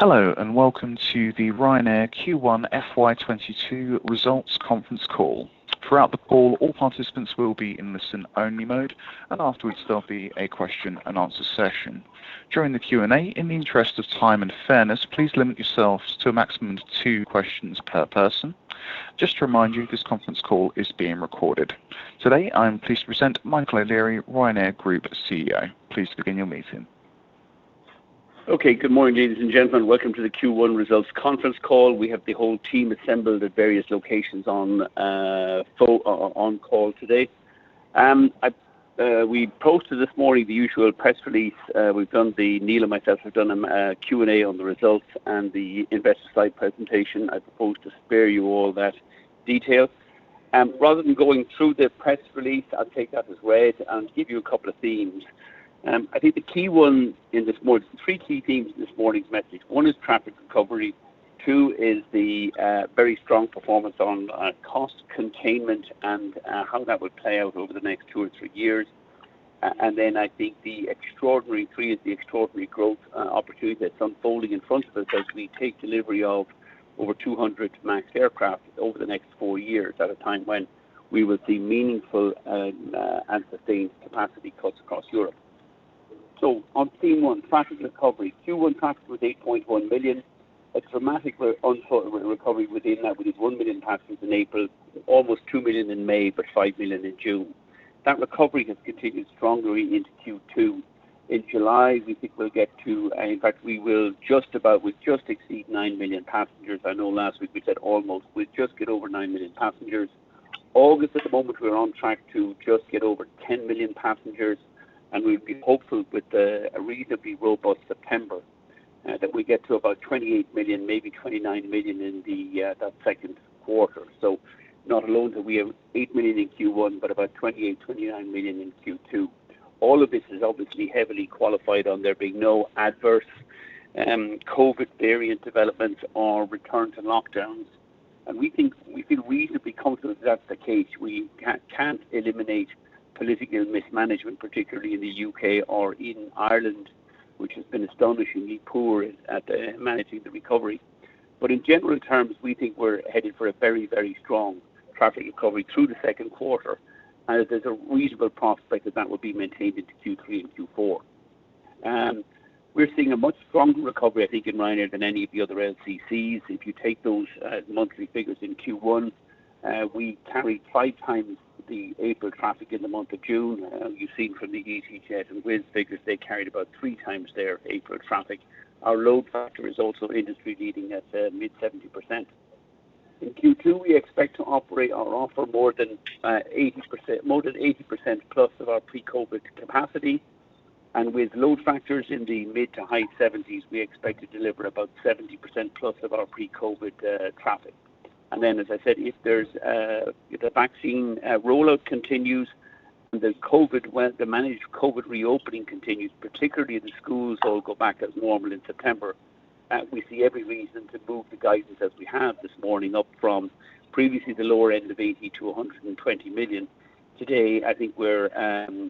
Hello, and welcome to the Ryanair Q1 FY 2022 results conference call. Throughout the call, all participants will be in listen-only mode, and afterwards, there'll be a question-and-answer session. During the Q&A, in the interest of time and fairness, please limit yourselves to a maximum of two questions per person. Just to remind you, this conference call is being recorded. Today, I am pleased to present Michael O'Leary, Ryanair Group CEO. Okay. Good morning, ladies and gentlemen. Welcome to the Q1 results conference call. We have the whole team assembled at various locations on call today. We posted this morning the usual press release. We've done Neil and myself have done a Q&A on the results and the investor slide presentation. I propose to spare you all that detail. Rather than going through the press release, I'll take that as read and give you a couple of themes. I think the key one in this morning's three key themes in this morning's message. One is traffic recovery, two is the very strong performance on cost containment and how that will play out over the next two or three years, three is the extraordinary growth opportunity that's unfolding in front of us as we take delivery of over 200 MAX aircraft over the next four years, at a time when we will see meaningful and sustained capacity cuts across Europe. On theme one, traffic recovery. Q1 traffic was 8.1 million. A dramatic recovery within that, with 1 million passengers in April, almost 2 million in May, but 5 million in June. That recovery has continued strongly into Q2. In July, we think we'll just exceed 9 million passengers. I know last week we said almost. We'll just get over 9 million passengers. August, at the moment, we're on track to just get over 10 million passengers. We'll be hopeful with a reasonably robust September, that we get to about 28 million, maybe 29 million in that second quarter. Not alone that we have 8 million in Q1, but about 28 million, 29 million in Q2. All of this is obviously heavily qualified on there being no adverse COVID variant developments or return to lockdowns. We feel reasonably confident that's the case. We can't eliminate political mismanagement, particularly in the U.K. or in Ireland, which has been astonishingly poor at managing the recovery. In general terms, we think we're headed for a very strong traffic recovery through the second quarter. There's a reasonable prospect that that will be maintained into Q3 and Q4. We're seeing a much stronger recovery, I think, in Ryanair than any of the other LCCs. If you take those monthly figures in Q1, we carried 5x the April traffic in the month of June. You've seen from the easyJet and Wizz figures, they carried about 3x their April traffic. Our load factor is also industry-leading at mid-70%. In Q2, we expect to operate or offer more than 80%+ of our pre-COVID capacity, and with load factors in the mid to high 70s, we expect to deliver about 70%+ of our pre-COVID traffic. As I said, if the vaccine rollout continues and the managed COVID reopening continues, particularly as the schools all go back as normal in September, we see every reason to move the guidance as we have this morning, up from previously the lower end of 80 million-120 million. Today, I think we're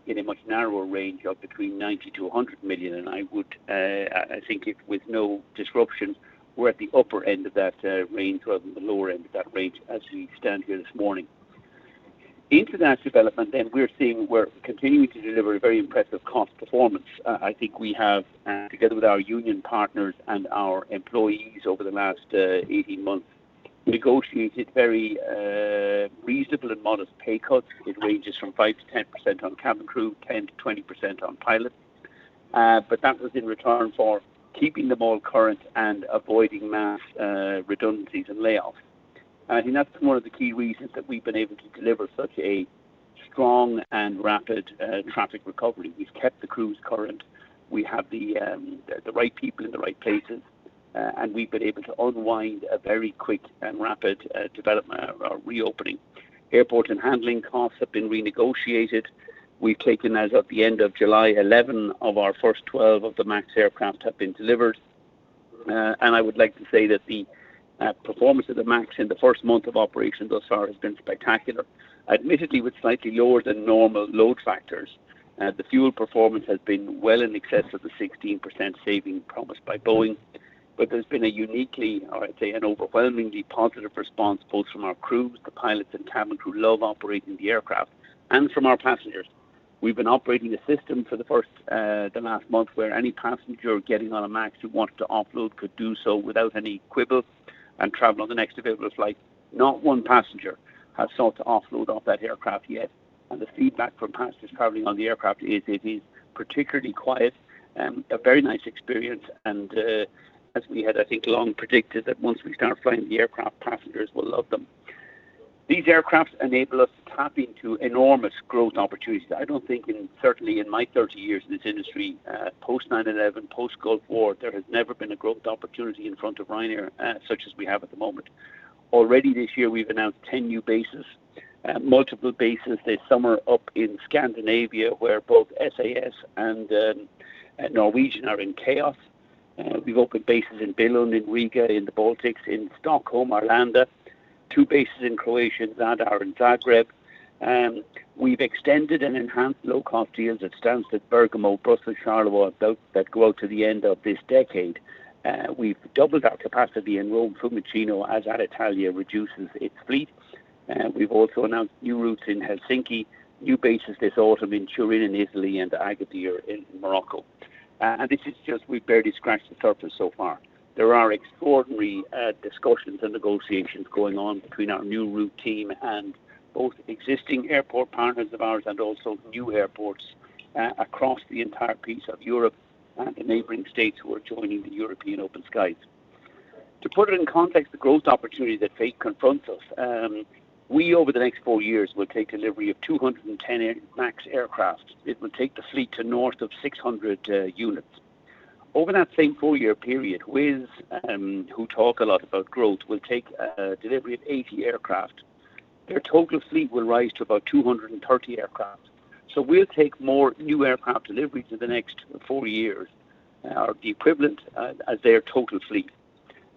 in a much narrower range of between 90 million-100 million, I think if with no disruption, we're at the upper end of that range rather than the lower end of that range as we stand here this morning. Into that development, we're continuing to deliver a very impressive cost performance. I think we have, together with our union partners and our employees over the last 18 months, negotiated very reasonable and modest pay cuts. It ranges from 5%-10% on cabin crew, 10%-20% on pilots. That was in return for keeping them all current and avoiding mass redundancies and layoffs. I think that's one of the key reasons that we've been able to deliver such a strong and rapid traffic recovery. We've kept the crews current. We have the right people in the right places. We've been able to unwind a very quick and rapid development of our reopening. Airport and handling costs have been renegotiated. We've taken, as of the end of July, 11 of our first 12 of the MAX aircraft have been delivered. I would like to say that the performance of the MAX in the first month of operation thus far has been spectacular. Admittedly, with slightly lower than normal load factors. The fuel performance has been well in excess of the 16% saving promised by Boeing. There's been a uniquely, or I'd say an overwhelmingly positive response, both from our crews, the pilots and cabin crew love operating the aircraft, and from our passengers. We've been operating a system for the last month where any passenger getting on a MAX who wanted to offload could do so without any quibble and travel on the next available flight. Not one passenger has sought to offload off that aircraft yet, and the feedback from passengers traveling on the aircraft is it is particularly quiet, a very nice experience, and as we had, I think, long predicted, that once we start flying the aircraft, passengers will love them. These aircraft enable us to tap into enormous growth opportunities. I don't think, certainly in my 30 years in this industry, post-9/11, post-Gulf War, there has never been a growth opportunity in front of Ryanair such as we have at the moment. Already this year, we've announced 10 new bases. Multiple bases this summer up in Scandinavia, where both SAS and Norwegian are in chaos. We've opened bases in Billund, in Riga, in the Baltics, in Stockholm, Arlanda, two bases in Croatia, Zadar and Zagreb. We've extended and enhanced low-cost deals at Stansted, Bergamo, Brussels, Charleroi that go out to the end of this decade. We've doubled our capacity in Rome, Fiumicino, as Alitalia reduces its fleet. We've also announced new routes in Helsinki, new bases this autumn in Turin, in Italy, and Agadir in Morocco. This is just, we've barely scratched the surface so far. There are extraordinary discussions and negotiations going on between our new route team and both existing airport partners of ours and also new airports across the entire piece of Europe and the neighboring states who are joining the European open skies. To put it in context, the growth opportunity that fate confronts us, we over the next four years will take delivery of 210 MAX aircraft. It will take the fleet to north of 600 units. Over that same four-year period, Wizz, who talk a lot about growth, will take delivery of 80 aircraft. Their total fleet will rise to about 230 aircraft. We'll take more new aircraft delivery to the next four years, or the equivalent as their total fleet.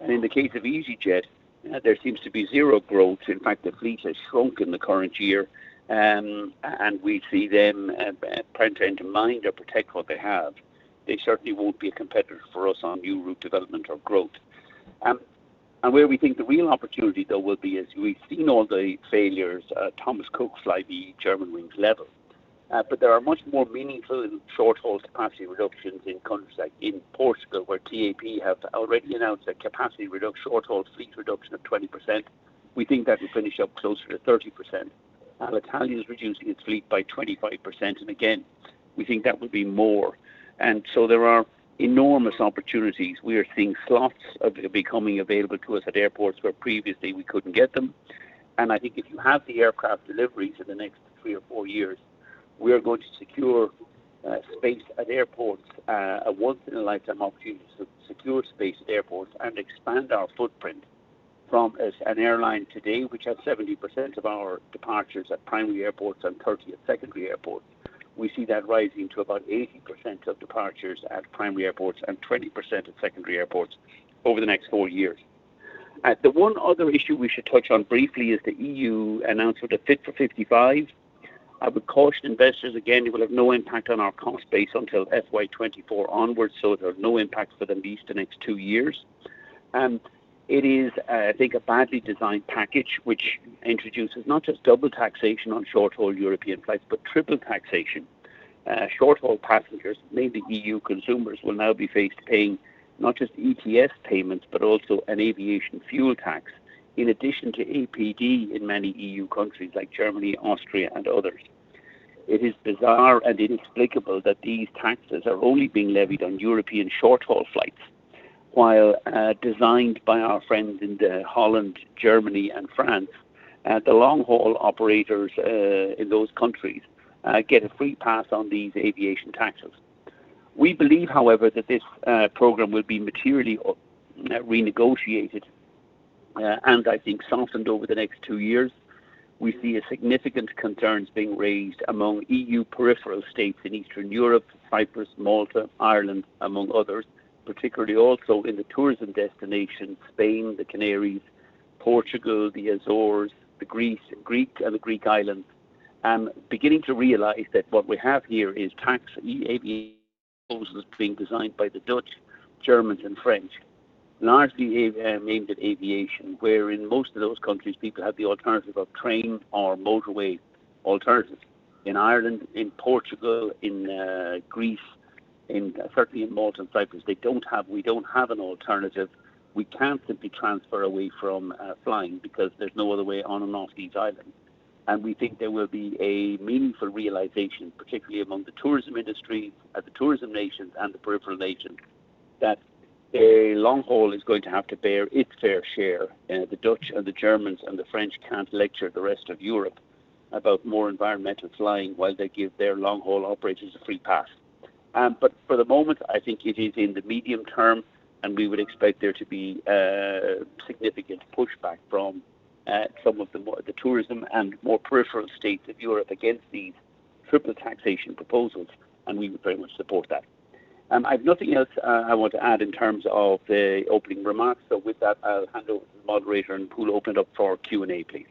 In the case of easyJet, there seems to be zero growth. In fact, the fleet has shrunk in the current year, and we see them print into mind or protect what they have. They certainly won't be a competitor for us on new route development or growth. Where we think the real opportunity though will be as we've seen all the failures, Thomas Cook, Flybe, Germanwings, LEVEL. There are much more meaningful and short-haul capacity reductions in countries like in Portugal, where TAP have already announced a short-haul fleet reduction of 20%. We think that will finish up closer to 30%. Alitalia is reducing its fleet by 25%, and again, we think that will be more. There are enormous opportunities. We are seeing slots becoming available to us at airports where previously we couldn't get them. I think if you have the aircraft deliveries in the next three or four years, we are going to secure space at airports, a once-in-a-lifetime opportunity to secure space at airports and expand our footprint from as an airline today, which has 70% of our departures at primary airports and 30% at secondary airports. We see that rising to about 80% of departures at primary airports and 20% at secondary airports over the next four years. The one other issue we should touch on briefly is the EU announcement of Fit for 55. I would caution investors again, it will have no impact on our cost base until FY 2024 onwards, so there's no impact for at least the next two years. It is, I think, a badly designed package, which introduces not just double taxation on short-haul European flights, but triple taxation. Short-haul passengers, mainly EU consumers, will now be faced paying not just ETS payments, but also an aviation fuel tax, in addition to APD in many EU countries like Germany, Austria, and others. It is bizarre and inexplicable that these taxes are only being levied on European short-haul flights, while designed by our friends in the Holland, Germany, and France. The long-haul operators in those countries get a free pass on these aviation taxes. We believe, however, that this program will be materially renegotiated, and I think softened over the next two years. We see a significant concerns being raised among EU peripheral states in Eastern Europe, Cyprus, Malta, Ireland, among others, particularly also in the tourism destinations, Spain, the Canaries, Portugal, the Azores, the Greece, and the Greek islands, and beginning to realize that what we have here is tax aviation proposals being designed by the Dutch, Germans, and French, largely aimed at aviation, where in most of those countries, people have the alternative of train or motorway alternatives. In Ireland, in Portugal, in Greece, and certainly in Malta and Cyprus, we don't have an alternative. We can't simply transfer away from flying because there's no other way on and off these islands. We think there will be a meaningful realization, particularly among the tourism industry and the tourism nations and the peripheral nations, that long-haul is going to have to bear its fair share. The Dutch and the Germans and the French can't lecture the rest of Europe about more environmental flying while they give their long-haul operators a free pass. For the moment, I think it is in the medium term, and we would expect there to be significant pushback from some of the tourism and more peripheral states of Europe against these triple taxation proposals, and we would very much support that. I have nothing else I want to add in terms of the opening remarks. With that, I'll hand over to the moderator and we'll open it up for Q&A, please.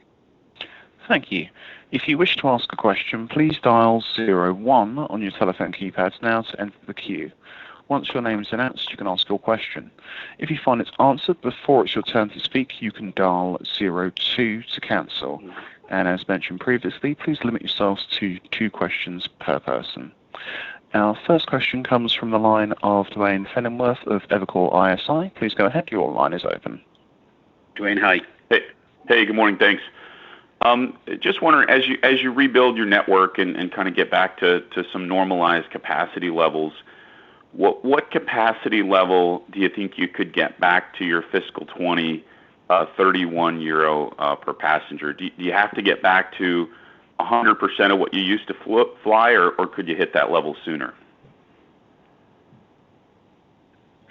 Thank you. If you wish to ask a question, please dial zero one on your telephone keypads now to enter the queue. Once your name is announced, you can ask your question. If you find it's answered before it's your turn to speak, you can dial zero two to cancel. And as mentioned previously, please limit yourselves to two questions per person. Our first question comes from the line of Duane Pfennigwerth of Evercore ISI. Please go ahead. Your line is open. Duane, hi. Hey. Good morning. Thanks. Just wondering, as you rebuild your network and kind of get back to some normalized capacity levels, what capacity level do you think you could get back to your fiscal 2020 31 euro per passenger? Do you have to get back to 100% of what you used to fly, or could you hit that level sooner?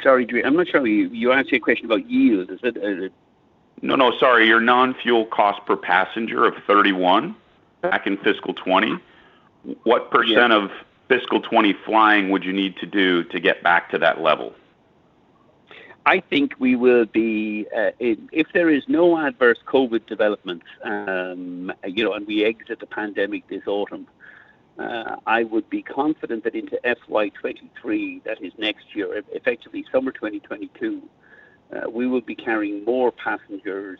Sorry, Duane, I'm not sure you asked me a question about yields. Is it? No, no. Sorry, your non-fuel cost per passenger of 31 back in fiscal 2020. Yes. What percentage of fiscal 2020 flying would you need to do to get back to that level? I think if there is no adverse COVID development, and we exit the pandemic this autumn, I would be confident that into FY 2023, that is next year, effectively summer 2022, we will be carrying more passengers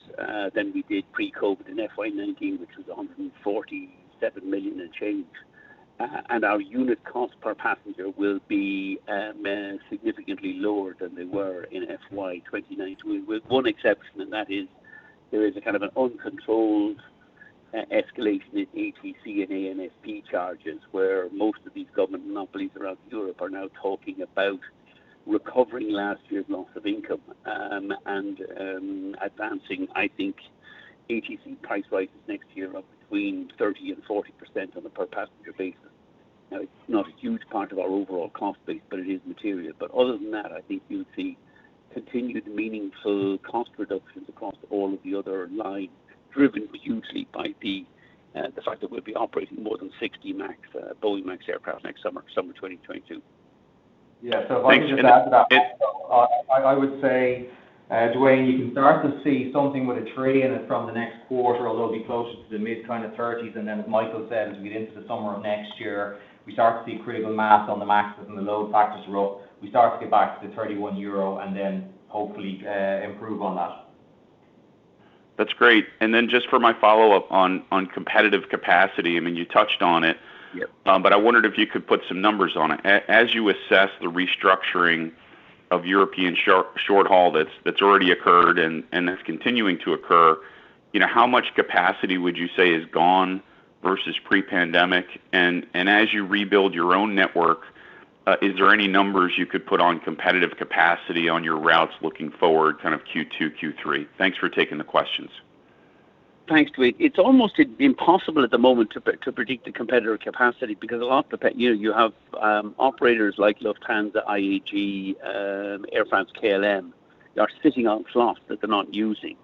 than we did pre-COVID in FY 2019, which was 147 million and change. Our unit cost per passenger will be significantly lower than they were in FY 2019, with one exception, and that is there is a kind of an uncontrolled escalation in ATC and ANSP charges, where most of these government monopolies around Europe are now talking about recovering last year's loss of income, and advancing, I think, ATC price rises next year of between 30% and 40% on a per passenger basis. Now, it's not a huge part of our overall cost base, but it is material. Other than that, I think you'll see continued meaningful cost reductions across all of the other lines, driven hugely by the fact that we'll be operating more than 60 MAX Boeing aircraft next summer 2022. Yeah. If I can just add to that. Thanks. I would say, Duane, you can start to see something with a tray in it from the next quarter, although it'll be closer to the mid 20-30s. As Michael said, as we get into the summer of next year, we start to see critical mass on the MAX and the load factors are up. We start to get back to the 31 euro, hopefully improve on that. That's great. Then just for my follow-up on competitive capacity, I mean, you touched on it. Yeah. I wondered if you could put some numbers on it. As you assess the restructuring of European short-haul that's already occurred and that's continuing to occur, how much capacity would you say is gone versus pre-pandemic? As you rebuild your own network, is there any numbers you could put on competitive capacity on your routes looking forward, kind of Q2, Q3? Thanks for taking the questions. Thanks, Duane. It's almost impossible at the moment to predict the competitor capacity because a lot of the players, you have operators like Lufthansa, IAG, Air France, KLM, are sitting on slots that they're not using.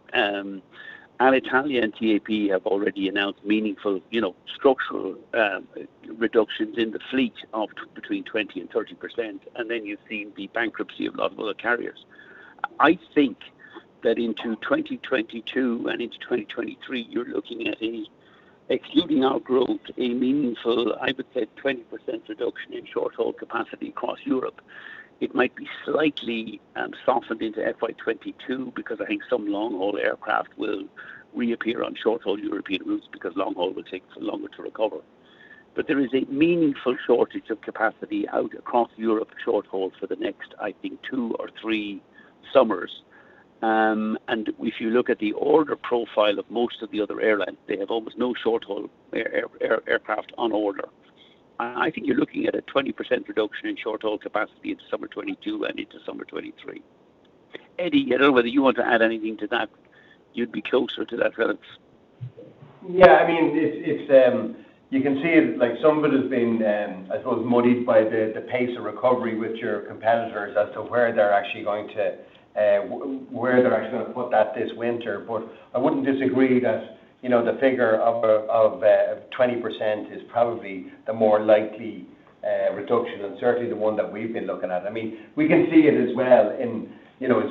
Alitalia and TAP have already announced meaningful structural reductions in the fleet of between 20% and 30%. You've seen the bankruptcy of a lot of other carriers. I think that into 2022 and into 2023, you're looking at a, excluding our growth, a meaningful, I would say 20% reduction in short-haul capacity across Europe. It might be slightly softened into FY 2022 because I think some long-haul aircraft will reappear on short-haul European routes because long-haul will take longer to recover. There is a meaningful shortage of capacity out across Europe short-haul for the next, I think two or three summers. If you look at the order profile of most of the other airlines, they have almost no short-haul aircraft on order. I think you are looking at a 20% reduction in short-haul capacity into summer 2022 and into summer 2023. Eddie, I do not know whether you want to add anything to that. You would be closer to that relative. Yeah. You can see some of it has been, I suppose, muddied by the pace of recovery with your competitors as to where they're actually going to put that this winter. I wouldn't disagree that the figure of 20% is probably the more likely reduction, and certainly the one that we've been looking at. We can see it as well in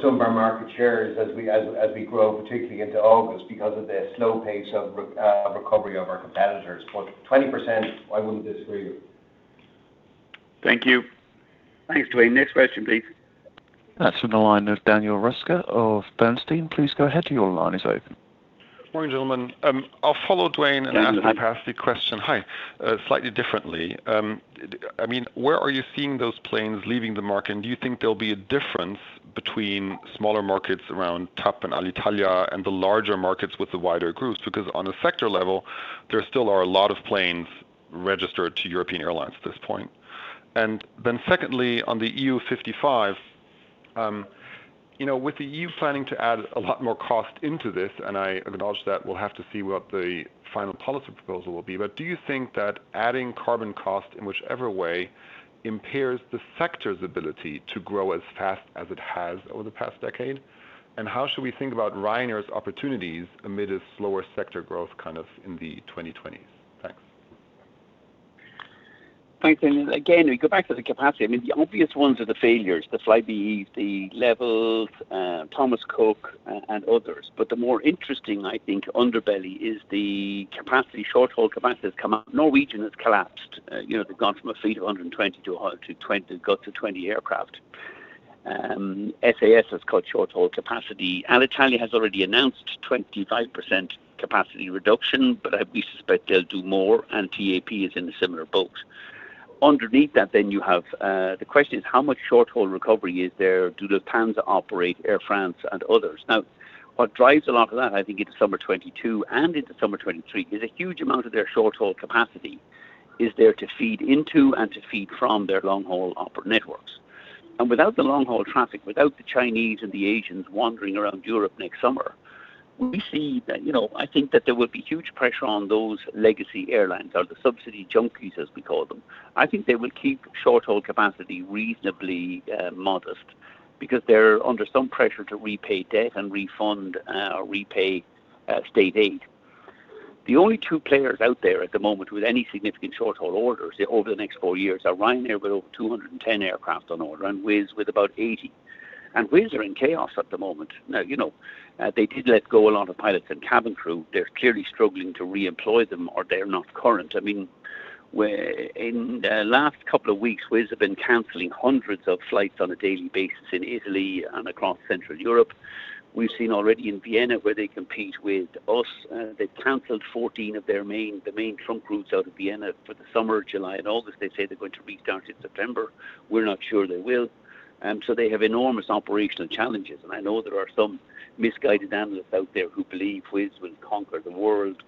some of our market shares as we grow, particularly into August because of the slow pace of recovery of our competitors. 20%, I wouldn't disagree with. Thank you. Thanks, Duane. Next question, please. That's on the line of Daniel Roeska of Bernstein. Please go ahead. Your line is open. Morning, gentlemen. I'll follow Duane. Daniel, hi. Ask a capacity question. Hi. Slightly differently. Where are you seeing those planes leaving the market? Do you think there'll be a difference between smaller markets around TAP and Alitalia and the larger markets with the wider groups? On a sector level, there still are a lot of planes registered to European airlines at this point. Secondly, on the EU 55, with the EU planning to add a lot more cost into this, I acknowledge that we'll have to see what the final policy proposal will be, but do you think that adding carbon cost in whichever way impairs the sector's ability to grow as fast as it has over the past decade? How should we think about Ryanair's opportunities amid a slower sector growth kind of in the 2020s? Thanks. Thanks, Daniel. We go back to the capacity. The obvious ones are the failures, the Flybe, the LEVEL, Thomas Cook, and others. The more interesting, I think, underbelly is the capacity, short-haul capacity has come out. Norwegian has collapsed. They've gone from a fleet of 120 to 20 aircraft. SAS has cut short-haul capacity. Alitalia has already announced 25% capacity reduction, but we suspect they'll do more, and TAP is in a similar boat. Underneath that then you have, the question is how much short-haul recovery is there do Lufthansa operate, Air France, and others? What drives a lot of that, I think into summer 2022 and into summer 2023, is a huge amount of their short-haul capacity is there to feed into and to feed from their long-haul operations networks. Without the long-haul traffic, without the Chinese and the Asians wandering around Europe next summer, we see that, I think that there will be huge pressure on those legacy airlines, or the subsidy junkies, as we call them. I think they will keep short-haul capacity reasonably modest because they're under some pressure to repay debt and refund or repay state aid. The only two players out there at the moment with any significant short-haul orders over the next four years are Ryanair with over 210 aircraft on order, and Wizz with about 80. Wizz are in chaos at the moment. Now, they did let go a lot of pilots and cabin crew. They're clearly struggling to reemploy them, or they're not current. In the last couple of weeks, Wizz have been canceling hundreds of flights on a daily basis in Italy and across Central Europe. We've seen already in Vienna, where they compete with us, they've canceled 14 of their main trunk routes out of Vienna for the summer, July and August. They say they're going to restart in September. We're not sure they will. They have enormous operational challenges, and I know there are some misguided analysts out there who believe Wizz will conquer the world,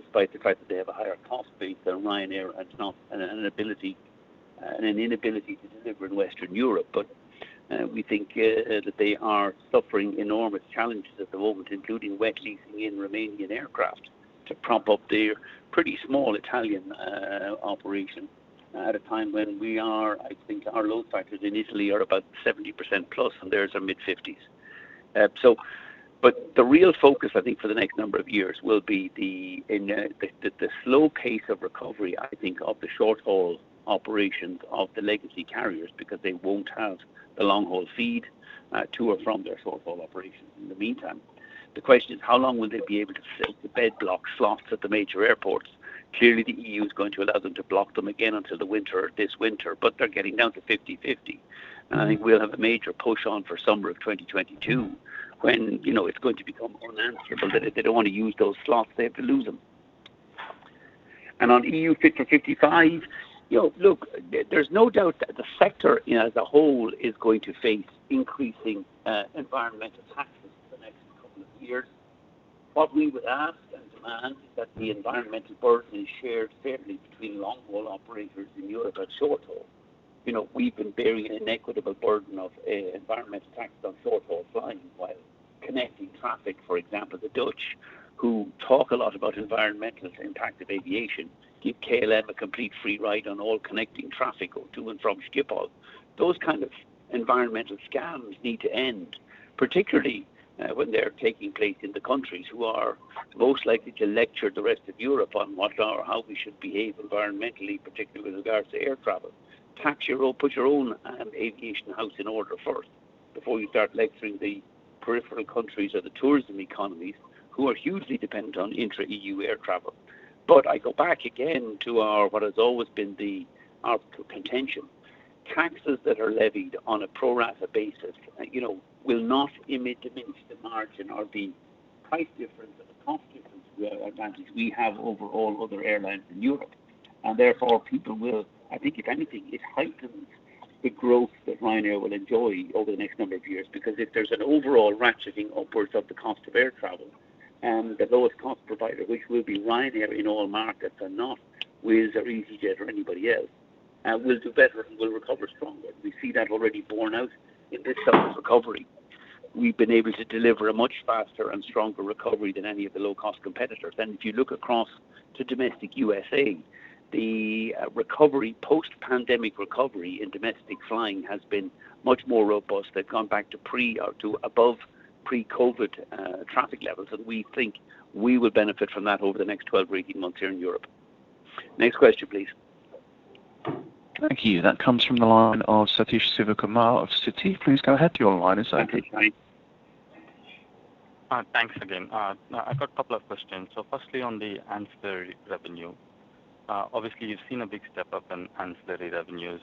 despite the fact that they have a higher cost base than Ryanair and an inability to deliver in Western Europe. We think that they are suffering enormous challenges at the moment, including wet leasing in Romanian aircraft to prop up their pretty small Italian operation at a time when our load factors in Italy are about 70%+, and theirs are mid-50s. The real focus, I think, for the next number of years will be the slow pace of recovery, I think, of the short-haul operations of the legacy carriers, because they won't have the long-haul feed to or from their short-haul operations in the meantime. The question is, how long will they be able to sit the bed block slots at the major airports? Clearly, the EU is going to allow them to block them again until this winter, but they're getting down to 50/50. I think we'll have a major push on for summer of 2022 when it's going to become unanswerable that if they don't want to use those slots, they have to lose them. On EU Fit for 55, look, there's no doubt that the sector as a whole is going to face increasing environmental taxes for the next couple of years. What we would ask and demand is that the environmental burden is shared fairly between long-haul operators in Europe and short-haul. We've been bearing an inequitable burden of environmental taxes on short-haul flying while connecting traffic. For example, the Dutch, who talk a lot about environmental impact of aviation, give KLM a complete free ride on all connecting traffic or to and from Schiphol. Those kind of environmental scams need to end, particularly when they're taking place in the countries who are most likely to lecture the rest of Europe on what or how we should behave environmentally, particularly with regards to air travel. Put your own aviation house in order first before you start lecturing the peripheral countries or the tourism economies who are hugely dependent on intra-EU air travel. I go back again to what has always been our contention. Taxes that are levied on a pro rata basis will not diminish the margin or the price difference and the cost difference advantage we have over all other airlines in Europe. Therefore, people will, I think if anything, it heightens the growth that Ryanair will enjoy over the next number of years, because if there's an overall ratcheting upwards of the cost of air travel and the lowest cost provider, which will be Ryanair in all markets and not Wizz, easyJet, or anybody else, will do better and will recover stronger. We see that already borne out in this summer's recovery. We've been able to deliver a much faster and stronger recovery than any of the low-cost competitors. If you look across to domestic U.S., the post-pandemic recovery in domestic flying has been much more robust. They've gone back to above pre-COVID traffic levels, and we think we will benefit from that over the next 12 breaking months here in Europe. Next question, please. Thank you. That comes from the line of Satish Sivakumar of Citi. Please go ahead to your line, Satish. Thanks again. I've got a couple of questions. Firstly, on the ancillary revenue. Obviously, you've seen a big step up in ancillary revenues.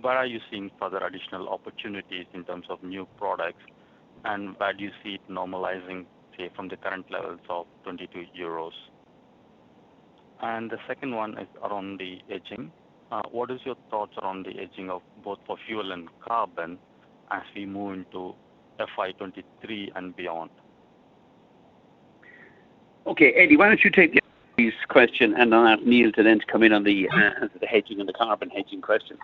Where are you seeing further additional opportunities in terms of new products? Where do you see it normalizing, say, from the current levels of 22 euros? The second one is around the hedging. What is your thoughts around the hedging of both for fuel and carbon as we move into FY 2023 and beyond? Okay. Eddie, why don't you take Satish's question, and I'll ask Neil to then come in on the hedging and the carbon hedging question.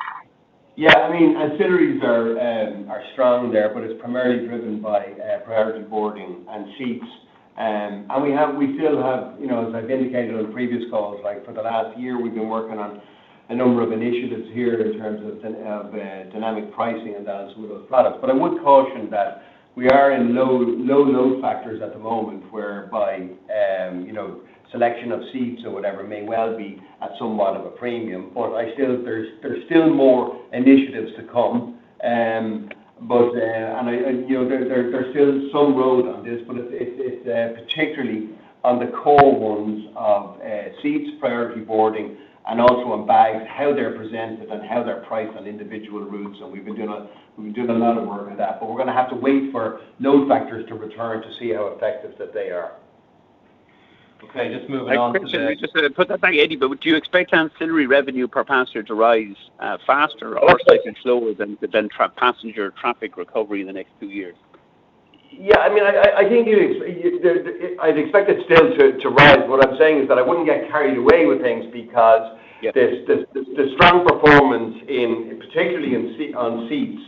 Yeah. Ancillaries are strong there, but it's primarily driven by priority boarding and seats. We still have, as I've indicated on previous calls, for the last year, we've been working on a number of initiatives here in terms of dynamic pricing and that on some of those products. I would caution that we are in low load factors at the moment, whereby selection of seats or whatever may well be at somewhat of a premium. There's still more initiatives to come. There's still some road on this, but it's particularly on the core ones of seats priority boarding and also on bags, how they're presented and how they're priced on individual routes. We've been doing a lot of work on that, but we're going to have to wait for load factors to return to see how effective that they are. Okay, just moving on to. Thanks, Satish. Just to put that back, Eddie, do you expect ancillary revenue per passenger to rise faster or slower than passenger traffic recovery in the next two years? Yeah. I'd expect it still to rise. What I'm saying is that I wouldn't get carried away with things. Because the strong performance, particularly on seats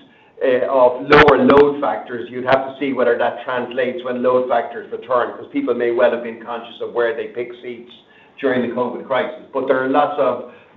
of lower load factors, you'd have to see whether that translates when load factors return, because people may well have been conscious of where they pick seats during the COVID crisis. There are lots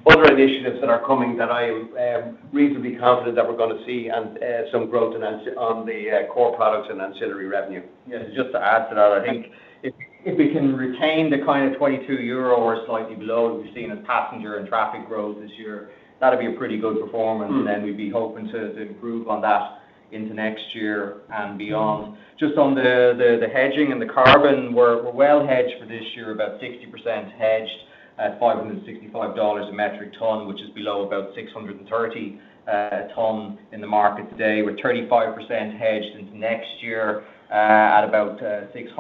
of other initiatives that are coming that I am reasonably confident that we're going to see, and some growth on the core products and ancillary revenue. Yeah. Just to add to that, I think if we can retain the kind of 22 euro or slightly below that we've seen as passenger and traffic growth this year, that'd be a pretty good performance. We'd be hoping to improve on that into next year and beyond. Just on the hedging and the carbon, we're well hedged for this year, about 60% hedged at $565 a metric ton, which is below about $630 a ton in the market today. We're 35% hedged into next year, at about $600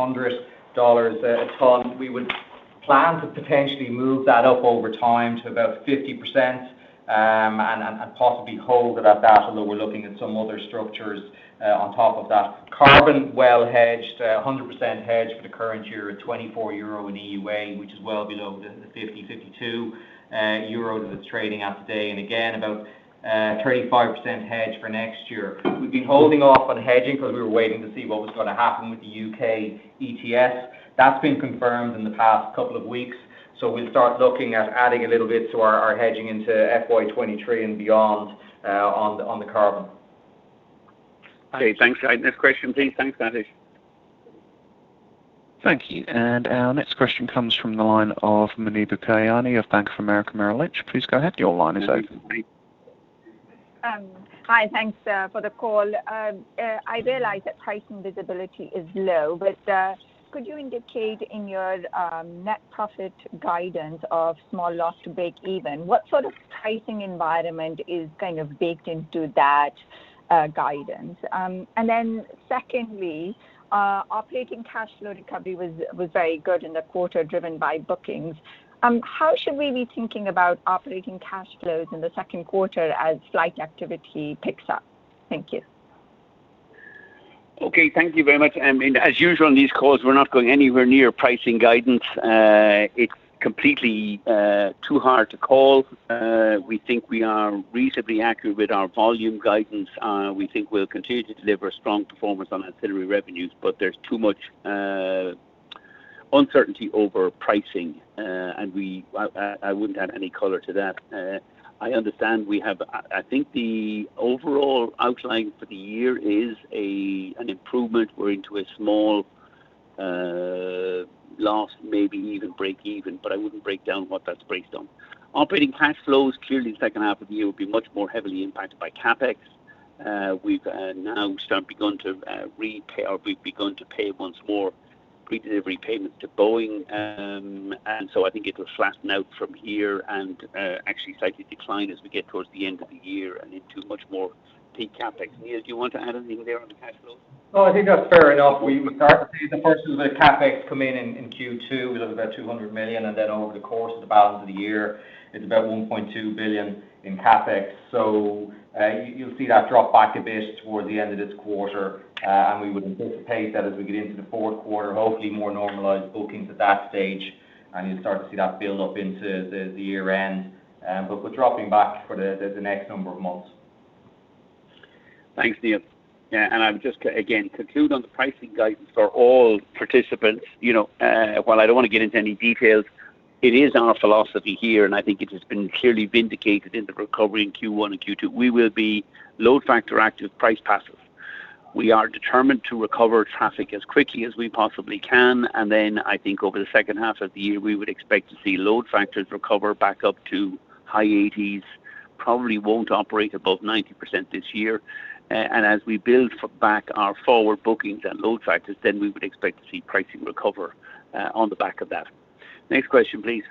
a ton. We would plan to potentially move that up over time to about 50%, and possibly hold it at that, although we're looking at some other structures on top of that. Carbon well hedged, 100% hedged for the current year at 24 euro in EUA, which is well below the 50 euro, 52 euro that it's trading at today. Again, about 35% hedged for next year. We'd be holding off on hedging because we were waiting to see what was going to happen with the U.K. ETS. That's been confirmed in the past couple of weeks, so we'll start looking at adding a little bit to our hedging into FY 2023 and beyond on the carbon. Okay, thanks. Next question please. Thanks, Satish. Thank you. Our next question comes from the line of Muneeba Kayani of Bank of America Merrill Lynch. Please go ahead. Your line is open. Hi, thanks for the call. I realize that pricing visibility is low, but could you indicate in your net profit guidance of small loss to break even, what sort of pricing environment is kind of baked into that guidance? Secondly, operating cash flow recovery was very good in the quarter driven by bookings. How should we be thinking about operating cash flows in the second quarter as flight activity picks up? Thank you. Okay. Thank you very much. As usual on these calls, we're not going anywhere near pricing guidance. It's completely too hard to call. We think we are reasonably accurate with our volume guidance. We think we'll continue to deliver strong performance on ancillary revenues. There's too much uncertainty over pricing. I wouldn't add any color to that. I think the overall outline for the year is an improvement. We're into a small loss, maybe even break even, but I wouldn't break down what that breaks down. Operating cash flows clearly in the second half of the year will be much more heavily impacted by CapEx. We've now begun to pay once more pre-delivery payment to Boeing. I think it'll flatten out from here and actually slightly decline as we get towards the end of the year and into much more peak CapEx. Neil, do you want to add anything there on the cash flows? No, I think that's fair enough. We would start to see the first of the CapEx come in in Q2. We look about 200 million, and then over the course of the balance of the year, it's about 1.2 billion in CapEx. You'll see that drop back a bit toward the end of this quarter. We would anticipate that as we get into the fourth quarter, hopefully more normalized bookings at that stage. You'll start to see that build up into the year-end. We're dropping back for the next number of months. Thanks, Neil. Yeah, I'm just again conclude on the pricing guidance for all participants. While I don't want to get into any details, it is our philosophy here, and I think it has been clearly vindicated in the recovery in Q1 and Q2. We will be load factor active, price passive. We are determined to recover traffic as quickly as we possibly can, and then I think over the second half of the year, we would expect to see load factors recover back up to high 80s. Probably won't operate above 90% this year. As we build back our forward bookings and load factors, then we would expect to see pricing recover on the back of that. Next question, please.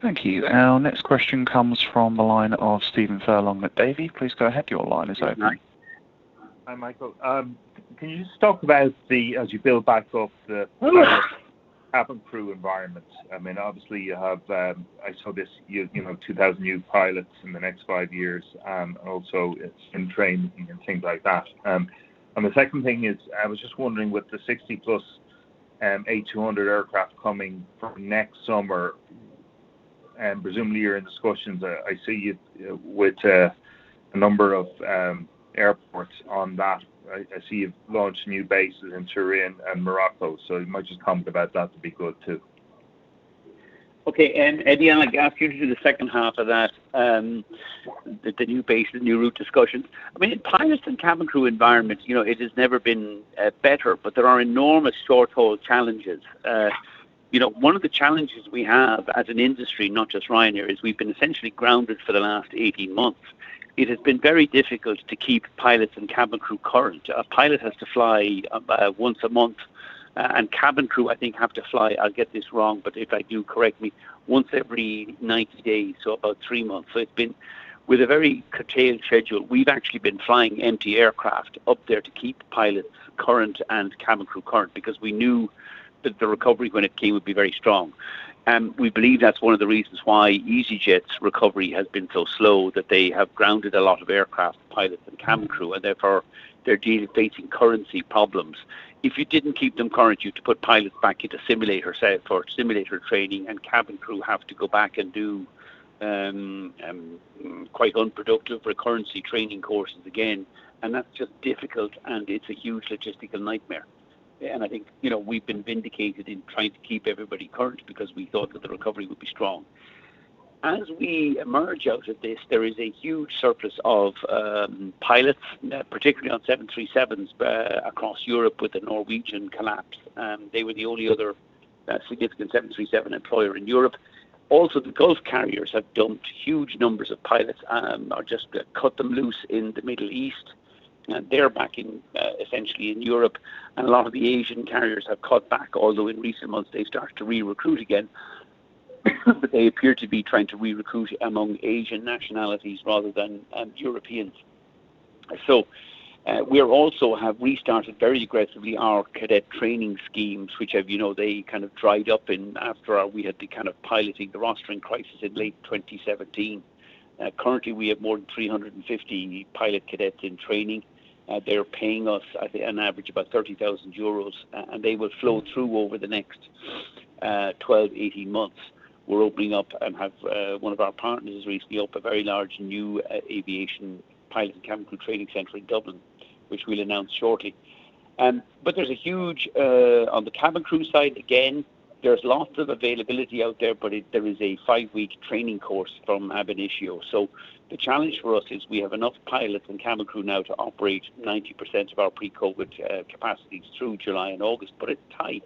Thank you. Our next question comes from the line of Stephen Furlong with Davy. Please go ahead. Your line is open. Hi. Hi, Michael. Can you just talk about the, as you build back up the cabin crew environment? Obviously you have, I saw this, 2,000 new pilots in the next five years, also it's in training and things like that. The second thing is, I was just wondering with the 60+ A200 aircraft coming from next summer, presumably you're in discussions, I see you with a number of airports on that. I see you've launched new bases in Turin and Morocco, you might just comment about that would be good, too. Okay. Eddie, I'll ask you to do the second half of that. The new base, the new route discussions. Pilots and cabin crew environment, it has never been better. There are enormous short-haul challenges. One of the challenges we have as an industry, not just Ryanair, is we've been essentially grounded for the last 18 months. It has been very difficult to keep pilots and cabin crew current. A pilot has to fly once a month. Cabin crew, I think have to fly, I'll get this wrong, if I do, correct me, once every 90 days, so about three months. It's been with a very curtailed schedule. We've actually been flying empty aircraft up there to keep pilots current and cabin crew current because we knew that the recovery, when it came, would be very strong. We believe that's one of the reasons why easyJet's recovery has been so slow, that they have grounded a lot of aircraft, pilots, and cabin crew, and therefore they're facing currency problems. If you didn't keep them current, you'd to put pilots back into simulator training and cabin crew have to go back and do quite unproductive recurrency training courses again. That's just difficult, and it's a huge logistical nightmare. I think we've been vindicated in trying to keep everybody current because we thought that the recovery would be strong. As we emerge out of this, there is a huge surplus of pilots, particularly on 737s across Europe with the Norwegian collapse. They were the only other significant 737 employer in Europe. Also, the Gulf carriers have dumped huge numbers of pilots or just cut them loose in the Middle East. They're backing essentially in Europe, and a lot of the Asian carriers have cut back, although in recent months they've started to re-recruit again. They appear to be trying to re-recruit among Asian nationalities rather than Europeans. We also have restarted very aggressively our cadet training schemes, which have kind of dried up after we had the kind of piloting the rostering crisis in late 2017. Currently, we have more than 350 pilot cadets in training. They're paying us, I think, on average, about 30,000 euros, and they will flow through over the next 12, 18 months. We're opening up and have one of our partners recently opened a very large new aviation pilot and cabin crew training center in Dublin, which we'll announce shortly. There's a huge, on the cabin crew side, again, there's lots of availability out there, but there is a five-week training course from ab initio. The challenge for us is we have enough pilots and cabin crew now to operate 90% of our pre-COVID capacities through July and August, but it's tight.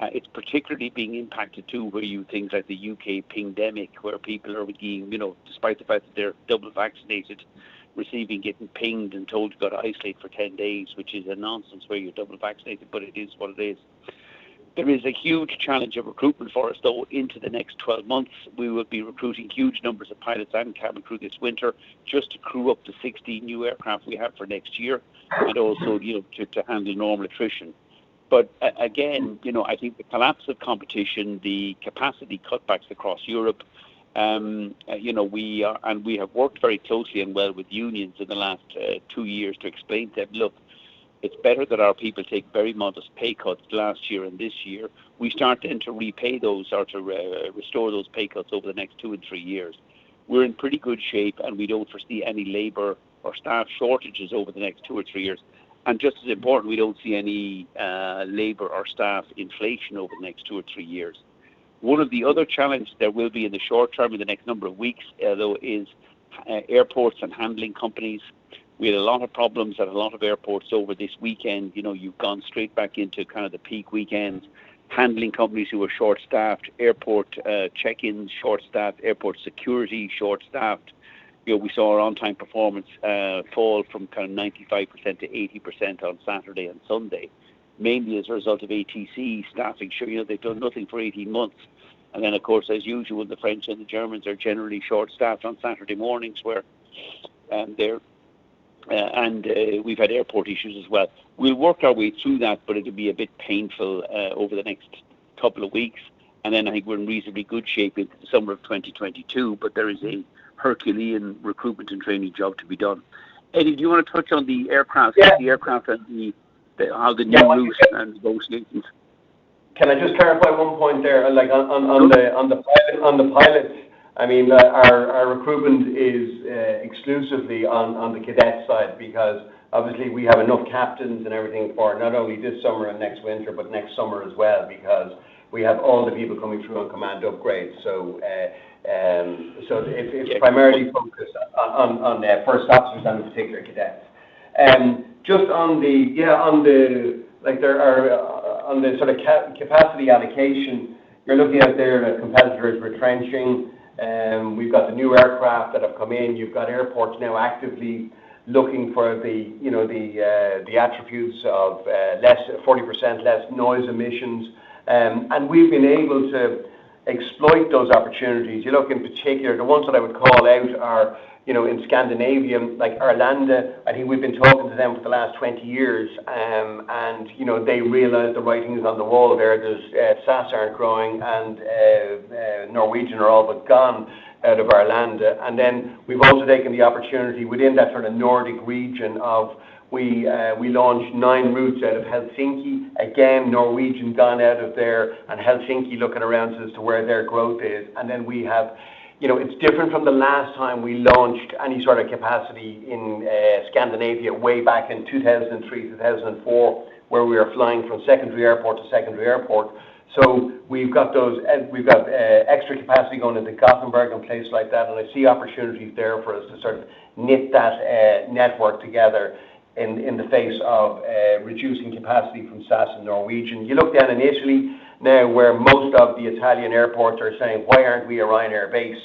It's particularly being impacted, too, where you have things like the U.K. pingdemic, where people are being, despite the fact that they're double vaccinated, receiving, getting pinged, and told you've got to isolate for 10 days, which is a nonsense where you're double vaccinated, but it is what it is. There is a huge challenge of recruitment for us, though, into the next 12 months. We will be recruiting huge numbers of pilots and cabin crew this winter just to crew up the 60 new aircraft we have for next year, and also to handle normal attrition. Again, I think the collapse of competition, the capacity cutbacks across Europe, and we have worked very closely and well with unions in the last two years to explain to them, look, it's better that our people take very modest pay cuts last year and this year. We start then to repay those or to restore those pay cuts over the next two and three years. We're in pretty good shape, and we don't foresee any labor or staff shortages over the next two or three years. Just as important, we don't see any labor or staff inflation over the next two or three years. One of the other challenges there will be in the short term, in the next number of weeks, though, is airports and handling companies. We had a lot of problems at a lot of airports over this weekend. You've gone straight back into kind of the peak weekend. Handling companies who are short-staffed, airport check-ins short-staffed, airport security short-staffed. We saw our on-time performance fall from kind of 95% to 80% on Saturday and Sunday, mainly as a result of ATC staffing. They've done nothing for 18 months. Of course, as usual, the French and the Germans are generally short-staffed on Saturday mornings. We've had airport issues as well. We'll work our way through that, but it'll be a bit painful over the next couple of weeks. Then I think we're in reasonably good shape in the summer of 2022. There is a Herculean recruitment and training job to be done. Eddie, do you want to touch on the aircraft? Yeah. The aircraft and how the new routes and those link in. Can I just clarify one point there? Sure. On the pilots, our recruitment is exclusively on the cadet side because obviously we have enough captains and everything for not only this summer and next winter, but next summer as well because we have all the people coming through on command upgrades. It's primarily focused on first officers and in particular, cadets. Just on the sort of capacity allocation, you're looking out there and our competitors were trenching. We've got the new aircraft that have come in. You've got airports now actively looking for the attributes of 40% less noise emissions, and we've been able to exploit those opportunities. You look in particular, the ones that I would call out are in Scandinavia, like Arlanda. I think we've been talking to them for the last 20 years, they realize the writing is on the wall there because SAS aren't growing and Norwegian are all but gone out of Arlanda. We've also taken the opportunity within that sort of Nordic region of we launched nine routes out of Helsinki. Again, Norwegian gone out of there and Helsinki looking around as to where their growth is. It's different from the last time we launched any sort of capacity in Scandinavia way back in 2003, 2004, where we were flying from secondary airport to secondary airport. We've got those, and we've got extra capacity going into Gothenburg and places like that, and I see opportunities there for us to sort of knit that network together in the face of reducing capacity from SAS and Norwegian. You look down in Italy now where most of the Italian airports are saying, "Why aren't we a Ryanair base?"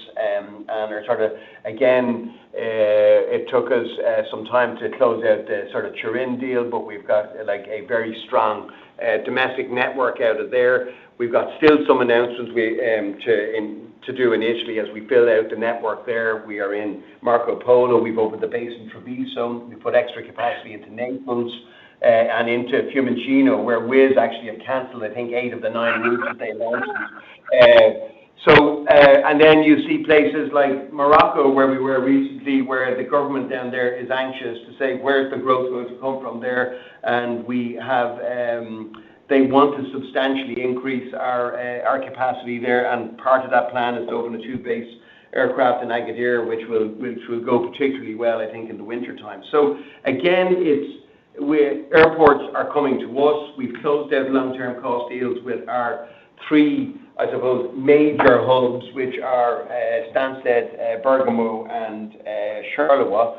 Are sort of, again, it took us some time to close out the sort of Turin deal, but we've got a very strong domestic network out of there. We've got still some announcements to do in Italy as we build out the network there. We are in Marco Polo. We've opened a base in Treviso. We put extra capacity into Naples and into Fiumicino, where Wizz actually have canceled, I think, eight of the nine routes that they launched. You see places like Morocco, where we were recently, where the government down there is anxious to say, "Where is the growth going to come from there?" They want to substantially increase our capacity there, and part of that plan is to open a two-base aircraft in Agadir, which will go particularly well, I think, in the wintertime. Again, airports are coming to us. We've closed out long-term cost deals with our three, I suppose, major hubs, which are Stansted, Bergamo, and Charleroi.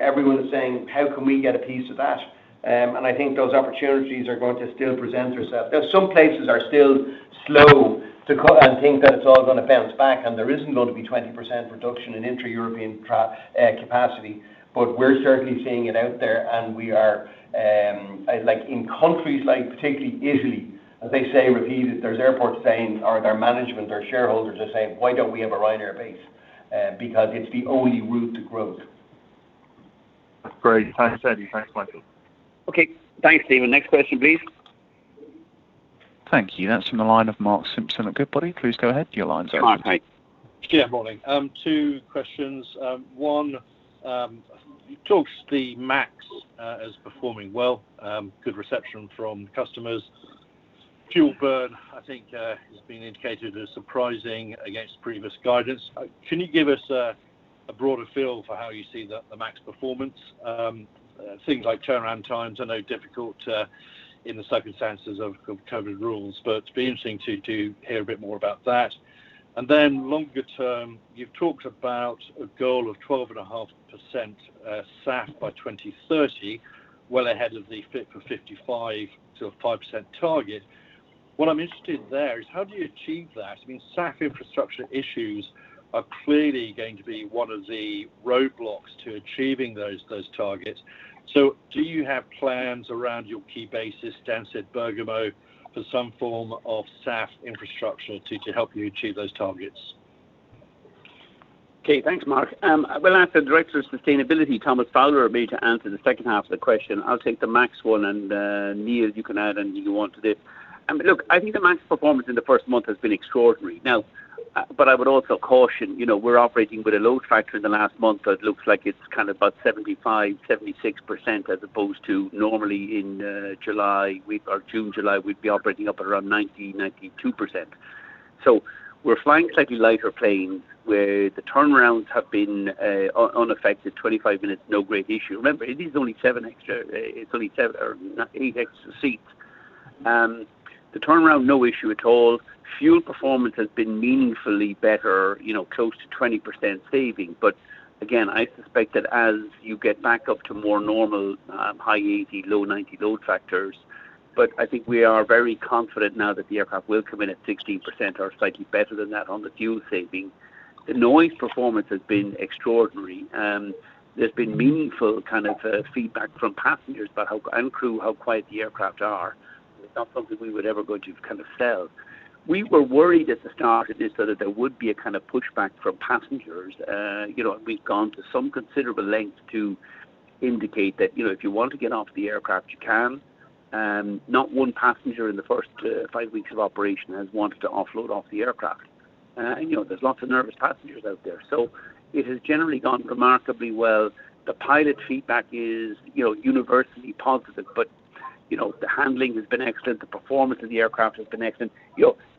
Everyone's saying, "How can we get a piece of that?" I think those opportunities are going to still present themselves. Some places are still slow to come and think that it's all going to bounce back, and there isn't going to be 20% reduction in intra-European capacity. We're certainly seeing it out there, and we are, in countries like particularly Italy, as they say, repeatedly, there's airports saying, or their management or shareholders are saying, "Why don't we have a Ryanair base?" Because it's the only route to growth. That's great. Thanks, Eddie. Thanks, Michael. Okay. Thanks, Stephen. Next question, please. Thank you. That's from the line of Mark Simpson at Goodbody. Please go ahead. Your line's open. Mark, hey. Yeah. Morning. Two questions. One, you talked the MAX as performing well, good reception from customers. Fuel burn, I think, has been indicated as surprising against previous guidance. Can you give us a broader feel for how you see the MAX performance? Things like turnaround times, I know difficult in the circumstances of COVID rules, it'd be interesting to hear a bit more about that. Longer term, you've talked about a goal of 12.5% SAF by 2030, well ahead of the Fit for 55, 5% target. What I'm interested there is how do you achieve that? SAF infrastructure issues are clearly going to be one of the roadblocks to achieving those targets. Do you have plans around your key bases, Stansted, Bergamo, for some form of SAF infrastructure to help you achieve those targets? Okay. Thanks, Mark. I'll ask the Director of Sustainability, Thomas Fowler, maybe to answer the second half of the question. I'll take the MAX one, and, Neil, you can add anything you want to this. Look, I think the MAX performance in the first month has been extraordinary. Now, I would also caution, we're operating with a load factor in the last month that looks like it's about 75%-76%, as opposed to normally in June, July, we'd be operating up around 90%-92%. We're flying slightly lighter planes, where the turnarounds have been unaffected, 25 minutes, no great issue. Remember, it is only seven extra, or eight extra seats. The turnaround, no issue at all. Fuel performance has been meaningfully better, close to 20% saving. Again, I suspect that as you get back up to more normal high 80, low 90 load factors. I think we are very confident now that the aircraft will come in at 16% or slightly better than that on the fuel saving. The noise performance has been extraordinary. There's been meaningful feedback from passengers and crew how quiet the aircraft are. It's not something we would ever go to sell. We were worried at the start of this that there would be a pushback from passengers. We've gone to some considerable length to indicate that if you want to get off the aircraft, you can. Not one passenger in the first five weeks of operation has wanted to offload off the aircraft. There's lots of nervous passengers out there. It has generally gone remarkably well. The pilot feedback is universally positive, but the handling has been excellent. The performance of the aircraft has been excellent.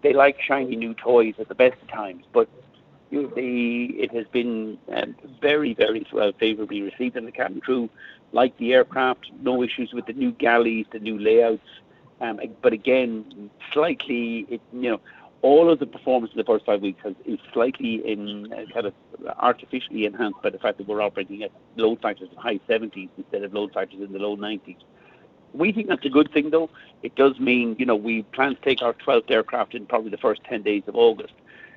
They like shiny new toys at the best of times, but it has been very, very well favorably received, and the cabin crew like the aircraft. No issues with the new galleys, the new layouts. Again, all of the performance in the first five weeks has been slightly artificially enhanced by the fact that we're operating at load factors of high 70s instead of load factors in the low 90s. We think that's a good thing, though. It does mean we plan to take our 12th aircraft in probably the first 10 days of August.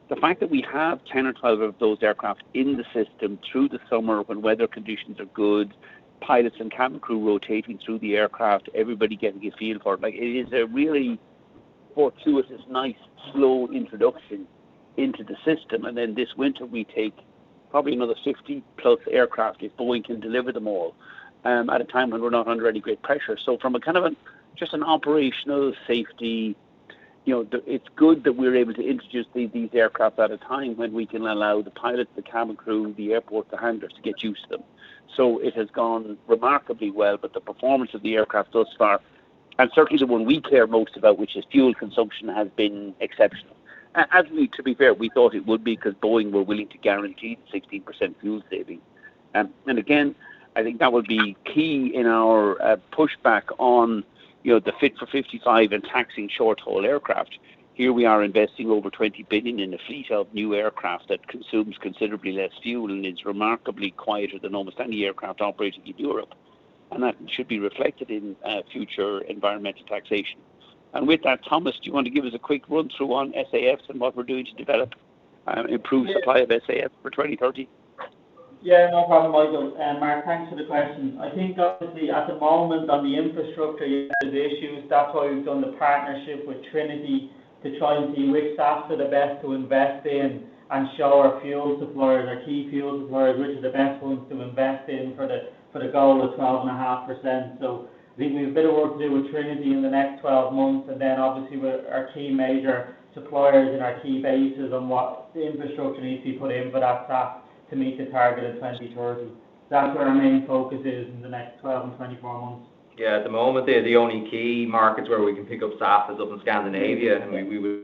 The fact that we have 10 or 12 of those aircraft in the system through the summer when weather conditions are good, pilots and cabin crew rotating through the aircraft, everybody getting a feel for it. It is a really fortuitous, nice slow introduction into the system. This winter, we take probably another 60+ aircraft, if Boeing can deliver them all, at a time when we're not under any great pressure. From a just an operational safety, it's good that we're able to introduce these aircraft at a time when we can allow the pilots, the cabin crew, the airport, the handlers to get used to them. It has gone remarkably well. The performance of the aircraft thus far, and certainly the one we care most about, which is fuel consumption, has been exceptional. To be fair, we thought it would be because Boeing were willing to guarantee 16% fuel savings. Again, I think that will be key in our pushback on the Fit for 55 and taxing short-haul aircraft. Here we are investing over 20 billion in a fleet of new aircraft that consumes considerably less fuel and is remarkably quieter than almost any aircraft operating in Europe. That should be reflected in future environmental taxation. With that, Thomas, do you want to give us a quick run-through on SAFs and what we're doing to develop and improve supply of SAF for 2030? Yeah, no problem, Michael. Mark, thanks for the question. I think obviously at the moment on the infrastructure, you have issues. That's why we've done the partnership with Trinity to try and see which SAFs are the best to invest in and show our fuel suppliers, our key fuel suppliers, which are the best ones to invest in for the goal of 12.5%. I think we've a bit of work to do with Trinity in the next 12 months, and then obviously with our key major suppliers and our key bases on what infrastructure needs to be put in for that SAF to meet the target of 2030. That's where our main focus is in the next 12 and 24 months. Yeah, at the moment, the only key markets where we can pick up SAF is up in Scandinavia. I mean.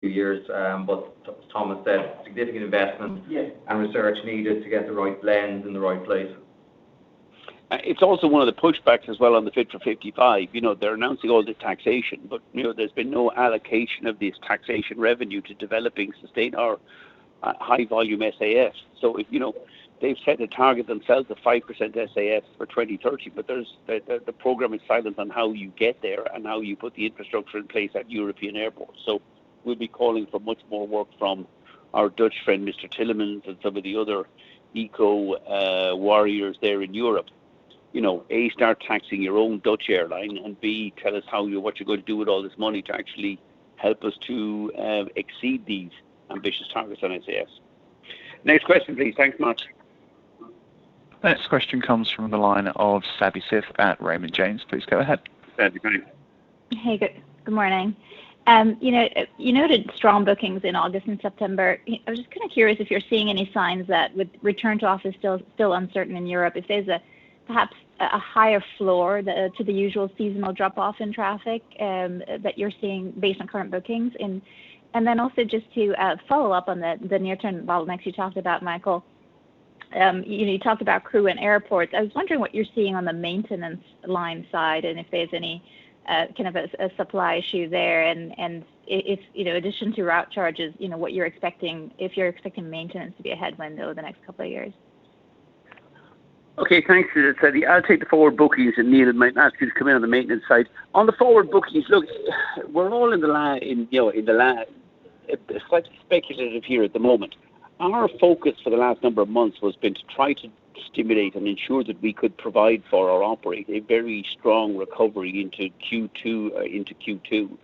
Few years, but as Tom has said, significant investment. Yes Research needed to get the right blends in the right place. It's also one of the pushbacks as well on the Fit for 55. They're announcing all this taxation, but there's been no allocation of this taxation revenue to developing sustained or high-volume SAF. They've set the target themselves to 5% SAF for 2030, but the program is silent on how you get there and how you put the infrastructure in place at European airports. We'll be calling for much more work from our Dutch friend, Frans Timmermans, and some of the other eco warriors there in Europe. A, start taxing your own Dutch airline, and B, tell us what you're going to do with all this money to actually help us to exceed these ambitious targets on SAF. Next question, please. Thanks much. Next question comes from the line of Savanthi Syth at Raymond James. Please go ahead. Savi, go ahead. Hey, good morning. You noted strong bookings in August and September. I was just kind of curious if you're seeing any signs that with return to office still uncertain in Europe, if there's perhaps a higher floor to the usual seasonal drop-off in traffic that you're seeing based on current bookings. Also just to follow up on the near-term bottlenecks you talked about, Michael. You talked about crew and airports. I was wondering what you're seeing on the maintenance line side and if there's any kind of a supply issue there and in addition to route charges, what you're expecting, if you're expecting maintenance to be a headwind over the next couple of years. Okay. Thanks for that, Savi. I'll take the forward bookings, and Neil might actually come in on the maintenance side. On the forward bookings, look, we're all in the last speculative here at the moment. Our focus for the last number of months has been to try to stimulate and ensure that we could provide for our operators a very strong recovery into Q2.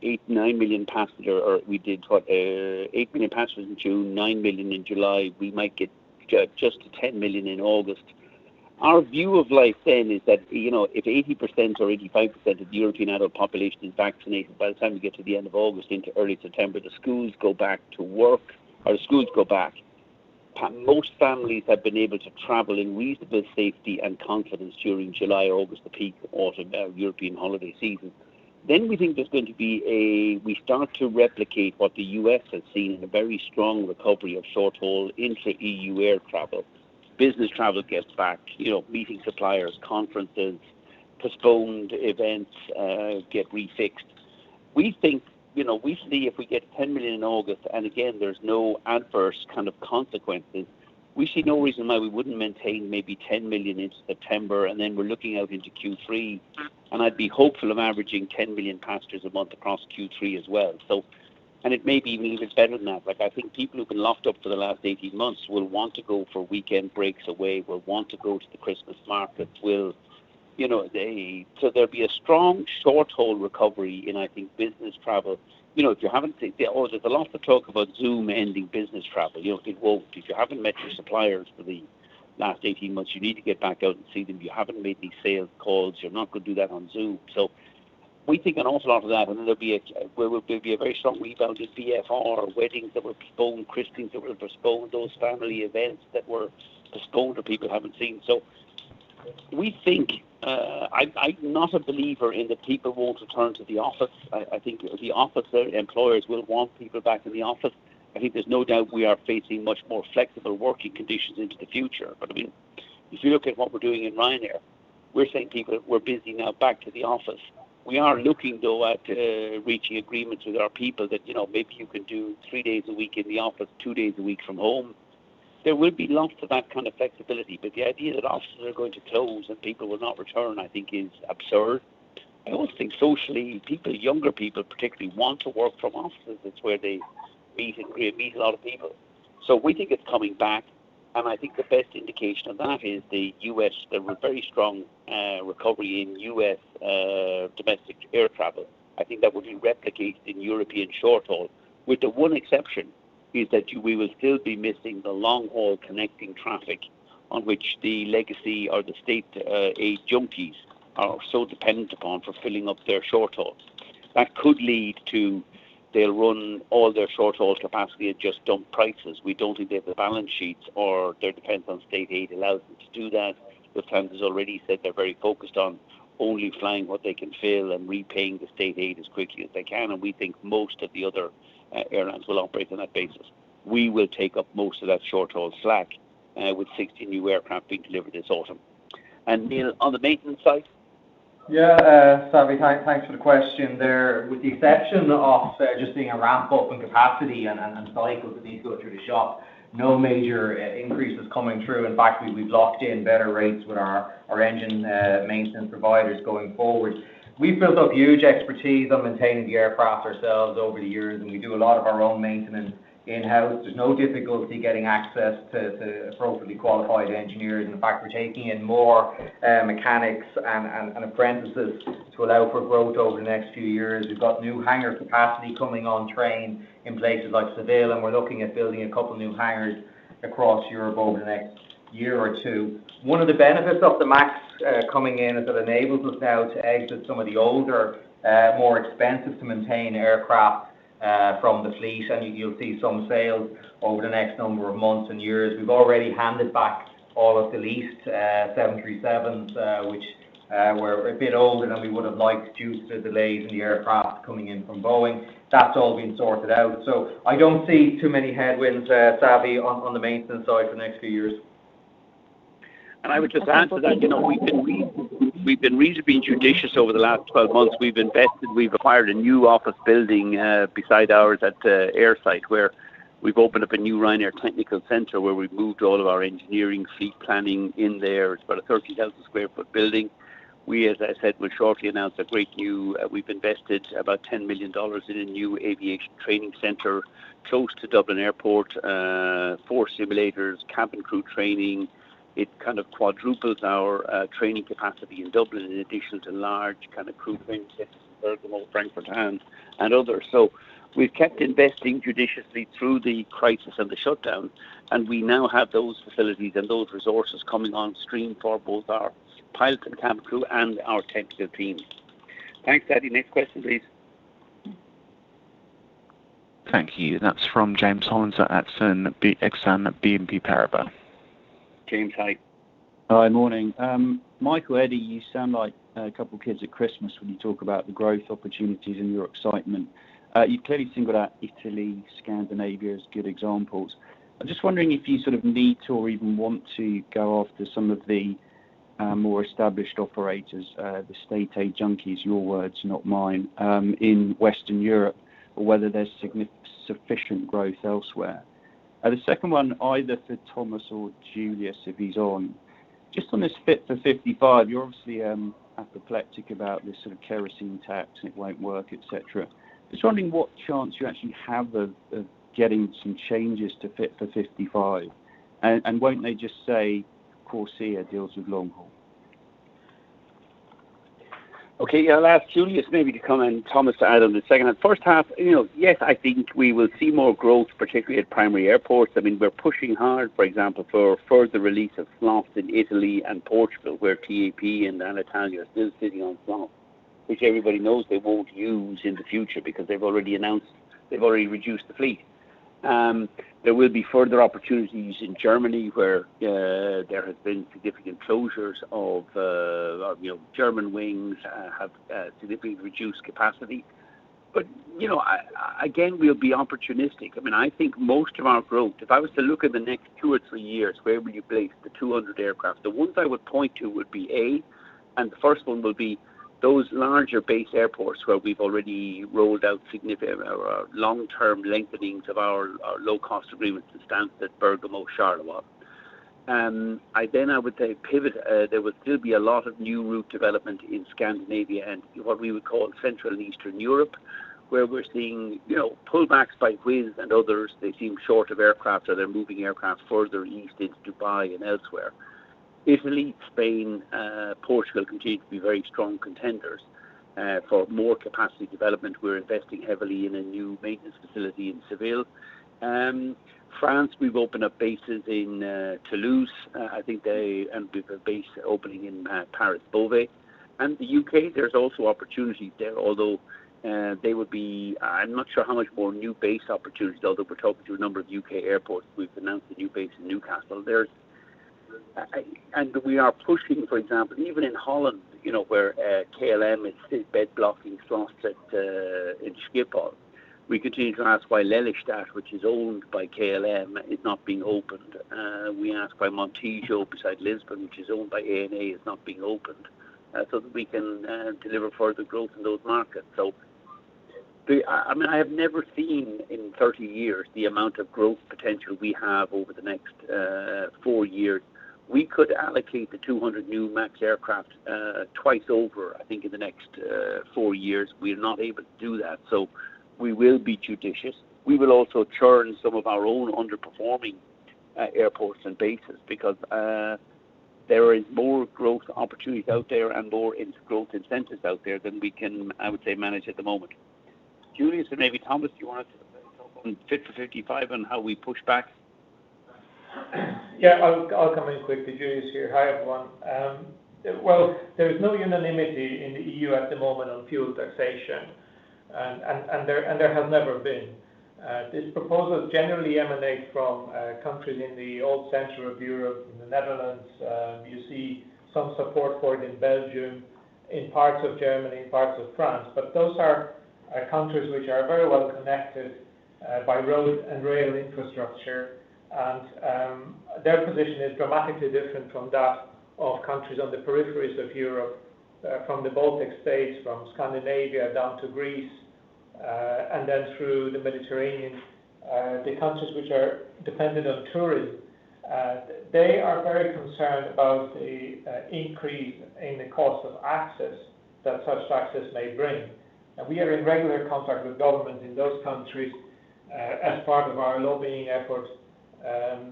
8 million, 9 million passengers, or we did what? 8 million passengers in June, 9 million in July. We might get just to 10 million in August. Our view of life then is that if 80% or 85% of the European adult population is vaccinated by the time we get to the end of August into early September, the schools go back to work, or the schools go back. Most families have been able to travel in reasonable safety and confidence during July or August, the peak autumn European holiday season. We think there's going to be We start to replicate what the U.S. has seen in a very strong recovery of short-haul intra-EU air travel. Business travel gets back, meeting suppliers, conferences, postponed events get refixed. We think if we get 10 million in August, and again, there's no adverse kind of consequences, we see no reason why we wouldn't maintain maybe 10 million into September, and we're looking out into Q3, and I'd be hopeful of averaging 10 million passengers a month across Q3 as well. It may be even a little bit better than that. I think people who've been locked up for the last 18 months will want to go for weekend breaks away, will want to go to the Christmas markets. There'll be a strong short-haul recovery in, I think, business travel. There's a lot of talk about Zoom ending business travel. It won't. If you haven't met your suppliers for the last 18 months, you need to get back out and see them. You haven't made these sales calls. You're not going to do that on Zoom. We think an awful lot of that, and there'll be a very strong rebound in VFR, weddings that were postponed, christenings that were postponed, those family events that were postponed that people haven't seen. I'm not a believer in that people won't return to the office. I think the employers will want people back in the office. I think there's no doubt we are facing much more flexible working conditions into the future. If you look at what we're doing in Ryanair, we're saying people, we're busy now back to the office. We are looking, though, at reaching agreements with our people that maybe you can do three days a week in the office, two days a week from home. There will be lots of that kind of flexibility, but the idea that offices are going to close and people will not return, I think is absurd. I also think socially, people, younger people particularly, want to work from offices. It's where they meet a lot of people. We think it's coming back, and I think the best indication of that is the very strong recovery in U.S. domestic air travel. I think that will be replicated in European short-haul, with the one exception is that we will still be missing the long-haul connecting traffic on which the legacy or the state aid junkies are so dependent upon for filling up their short hauls. That could lead to they'll run all their short-haul capacity at just dump prices. We don't think they have the balance sheets or their dependence on state aid allows them to do that. As Thomas has already said, they're very focused on only flying what they can fill and repaying the state aid as quickly as they can, and we think most of the other airlines will operate on that basis. We will take up most of that short-haul slack with 60 new aircraft being delivered this autumn. Neil, on the maintenance side? Yeah, Savi, thanks for the question there. With the exception of just seeing a ramp-up in capacity and cycles that need to go through the shop, no major increases coming through. In fact, we've locked in better rates with our engine maintenance providers going forward. We've built up huge expertise on maintaining the aircraft ourselves over the years, and we do a lot of our own maintenance in-house. There's no difficulty getting access to appropriately qualified engineers. In fact, we're taking in more mechanics and apprentices to allow for growth over the next few years. We've got new hangar capacity coming on train in places like Seville, and we're looking at building a couple of new hangars across Europe over the next year or two. One of the benefits of the MAX coming in is that enables us now to exit some of the older, more expensive-to-maintain aircraft from the fleet. You'll see some sales over the next number of months and years. We've already handed back all of the leased 737s, which were a bit older than we would have liked due to the delays in the aircraft coming in from Boeing. That's all been sorted out. I don't see too many headwinds, Savi, on the maintenance side for the next few years. I would just add to that, we've been reasonably judicious over the last 12 months. We've invested. We've acquired a new office building beside ours at the air site, where we've opened up a new Ryanair technical center, where we've moved all of our engineering fleet planning in there. It's about a 30,000 sq ft building. We, as I said, will shortly announce. We've invested about $10 million in a new aviation training center close to Dublin Airport. 4 simulators, cabin crew training. It kind of quadruples our training capacity in Dublin in addition to large kind of crew training centers in Bergamo, Frankfurt-Hahn, and others. We've kept investing judiciously through the crisis and the shutdown, and we now have those facilities and those resources coming on stream for both our pilots and cabin crew and our technical teams. Thanks, Savi. Next question, please. Thank you. That's from James Hollins at Exane BNP Paribas. James, hi. Hi. Morning. Michael, Eddie, you sound like a couple of kids at Christmas when you talk about the growth opportunities and your excitement. You've clearly singled out Italy, Scandinavia as good examples. I'm just wondering if you sort of need to, or even want to go after some of the more established operators, the state aid junkies, your words, not mine, in Western Europe or whether there's sufficient growth elsewhere. The second one either for Thomas or Juliusz, if he's on, just on this Fit for 55, you're obviously apoplectic about this sort of kerosene tax and it won't work, et cetera. Just wondering what chance you actually have of getting some changes to Fit for 55 and won't they just say CORSIA deals with long haul? Okay. Yeah. I'll ask Juliusz maybe to come in, Thomas to add on the second half. First half, yes, I think we will see more growth, particularly at primary airports. We're pushing hard, for example, for further release of slots in Italy and Portugal, where TAP and Alitalia are still sitting on slots, which everybody knows they won't use in the future because they've already reduced the fleet. There will be further opportunities in Germany where there has been significant closures of Germanwings have significantly reduced capacity. Again, we'll be opportunistic. I think most of our growth, if I was to look at the next two or three years, where will you place the 200 aircraft? The ones I would point to would be A, and the first one will be those larger base airports where we've already rolled out significant long-term lengthenings of our low-cost agreements with Stansted, Bergamo, Charleroi. I then would say pivot. There will still be a lot of new route development in Scandinavia and what we would call Central and Eastern Europe, where we're seeing pullbacks by Wizz and others. They seem short of aircraft, or they're moving aircraft further east into Dubai and elsewhere. Italy, Spain, Portugal continue to be very strong contenders for more capacity development. We're investing heavily in a new maintenance facility in Seville. France, we've opened up bases in Toulouse. I think they and with a base opening in Paris Beauvais. The U.K., there's also opportunities there, although I'm not sure how much more new base opportunities, although we're talking to a number of U.K. airports. We've announced a new base in Newcastle. We are pushing, for example, even in Holland, where KLM is still bed blocking slots at Schiphol. We continue to ask why Lelystad, which is owned by KLM, is not being opened. We ask why Montijo beside Lisbon, which is owned by ANA, is not being opened so that we can deliver further growth in those markets. I have never seen in 30 years the amount of growth potential we have over the next four years. We could allocate the 200 new MAX aircraft twice over, I think in the next four years. We're not able to do that. We will be judicious. We will also churn some of our own underperforming airports and bases because there is more growth opportunities out there and more growth incentives out there than we can, I would say, manage at the moment. Juliusz and maybe Thomas, do you want to talk on Fit for 55 and how we push back? Yeah. I'll come in quickly. Juliusz here. Hi, everyone. Well, there is no unanimity in the EU at the moment on fuel taxation, and there has never been. These proposals generally emanate from countries in the old center of Europe, in the Netherlands. You see some support for it in Belgium, in parts of Germany, in parts of France. Those are countries which are very well connected by road and rail infrastructure, and their position is dramatically different from that of countries on the peripheries of Europe, from the Baltic States, from Scandinavia down to Greece, and then through the Mediterranean. The countries which are dependent on tourism they are very concerned about the increase in the cost of access that such taxes may bring. We are in regular contact with governments in those countries as part of our lobbying efforts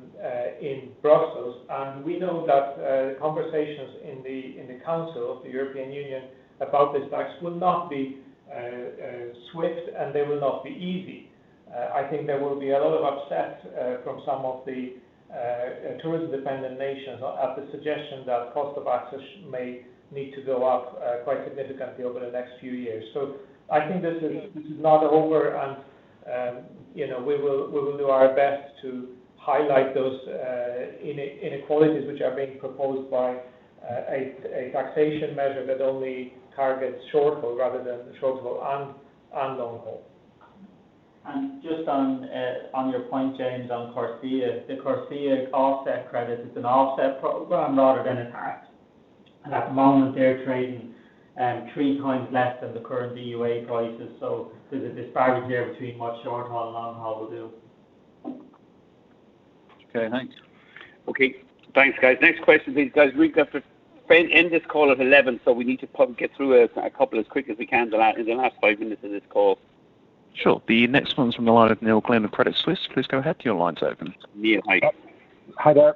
in Brussels. We know that conversations in the Council of the European Union about this tax will not be swift, and they will not be easy. I think there will be a lot of upset from some of the tourism-dependent nations at the suggestion that cost of access may need to go up quite significantly over the next few years. I think this is not over and we will do our best to highlight those inequalities which are being proposed by a taxation measure that only targets short-haul rather than short-haul and long-haul. Just on your point, James, on CORSIA. The CORSIA offset credit is an offset program rather than a tax. At the moment they're trading 3x less than the current EUA prices. There's a disparity there between what short-haul and long-haul will do. Okay, thanks. Okay. Thanks, guys. Next question, please. Guys, we've got to end this call at 11. We need to get through a couple as quick as we can in the last five minutes of this call. Sure. The next one's from the line of Neil Glynn of Credit Suisse. Neil, hi. Hi there.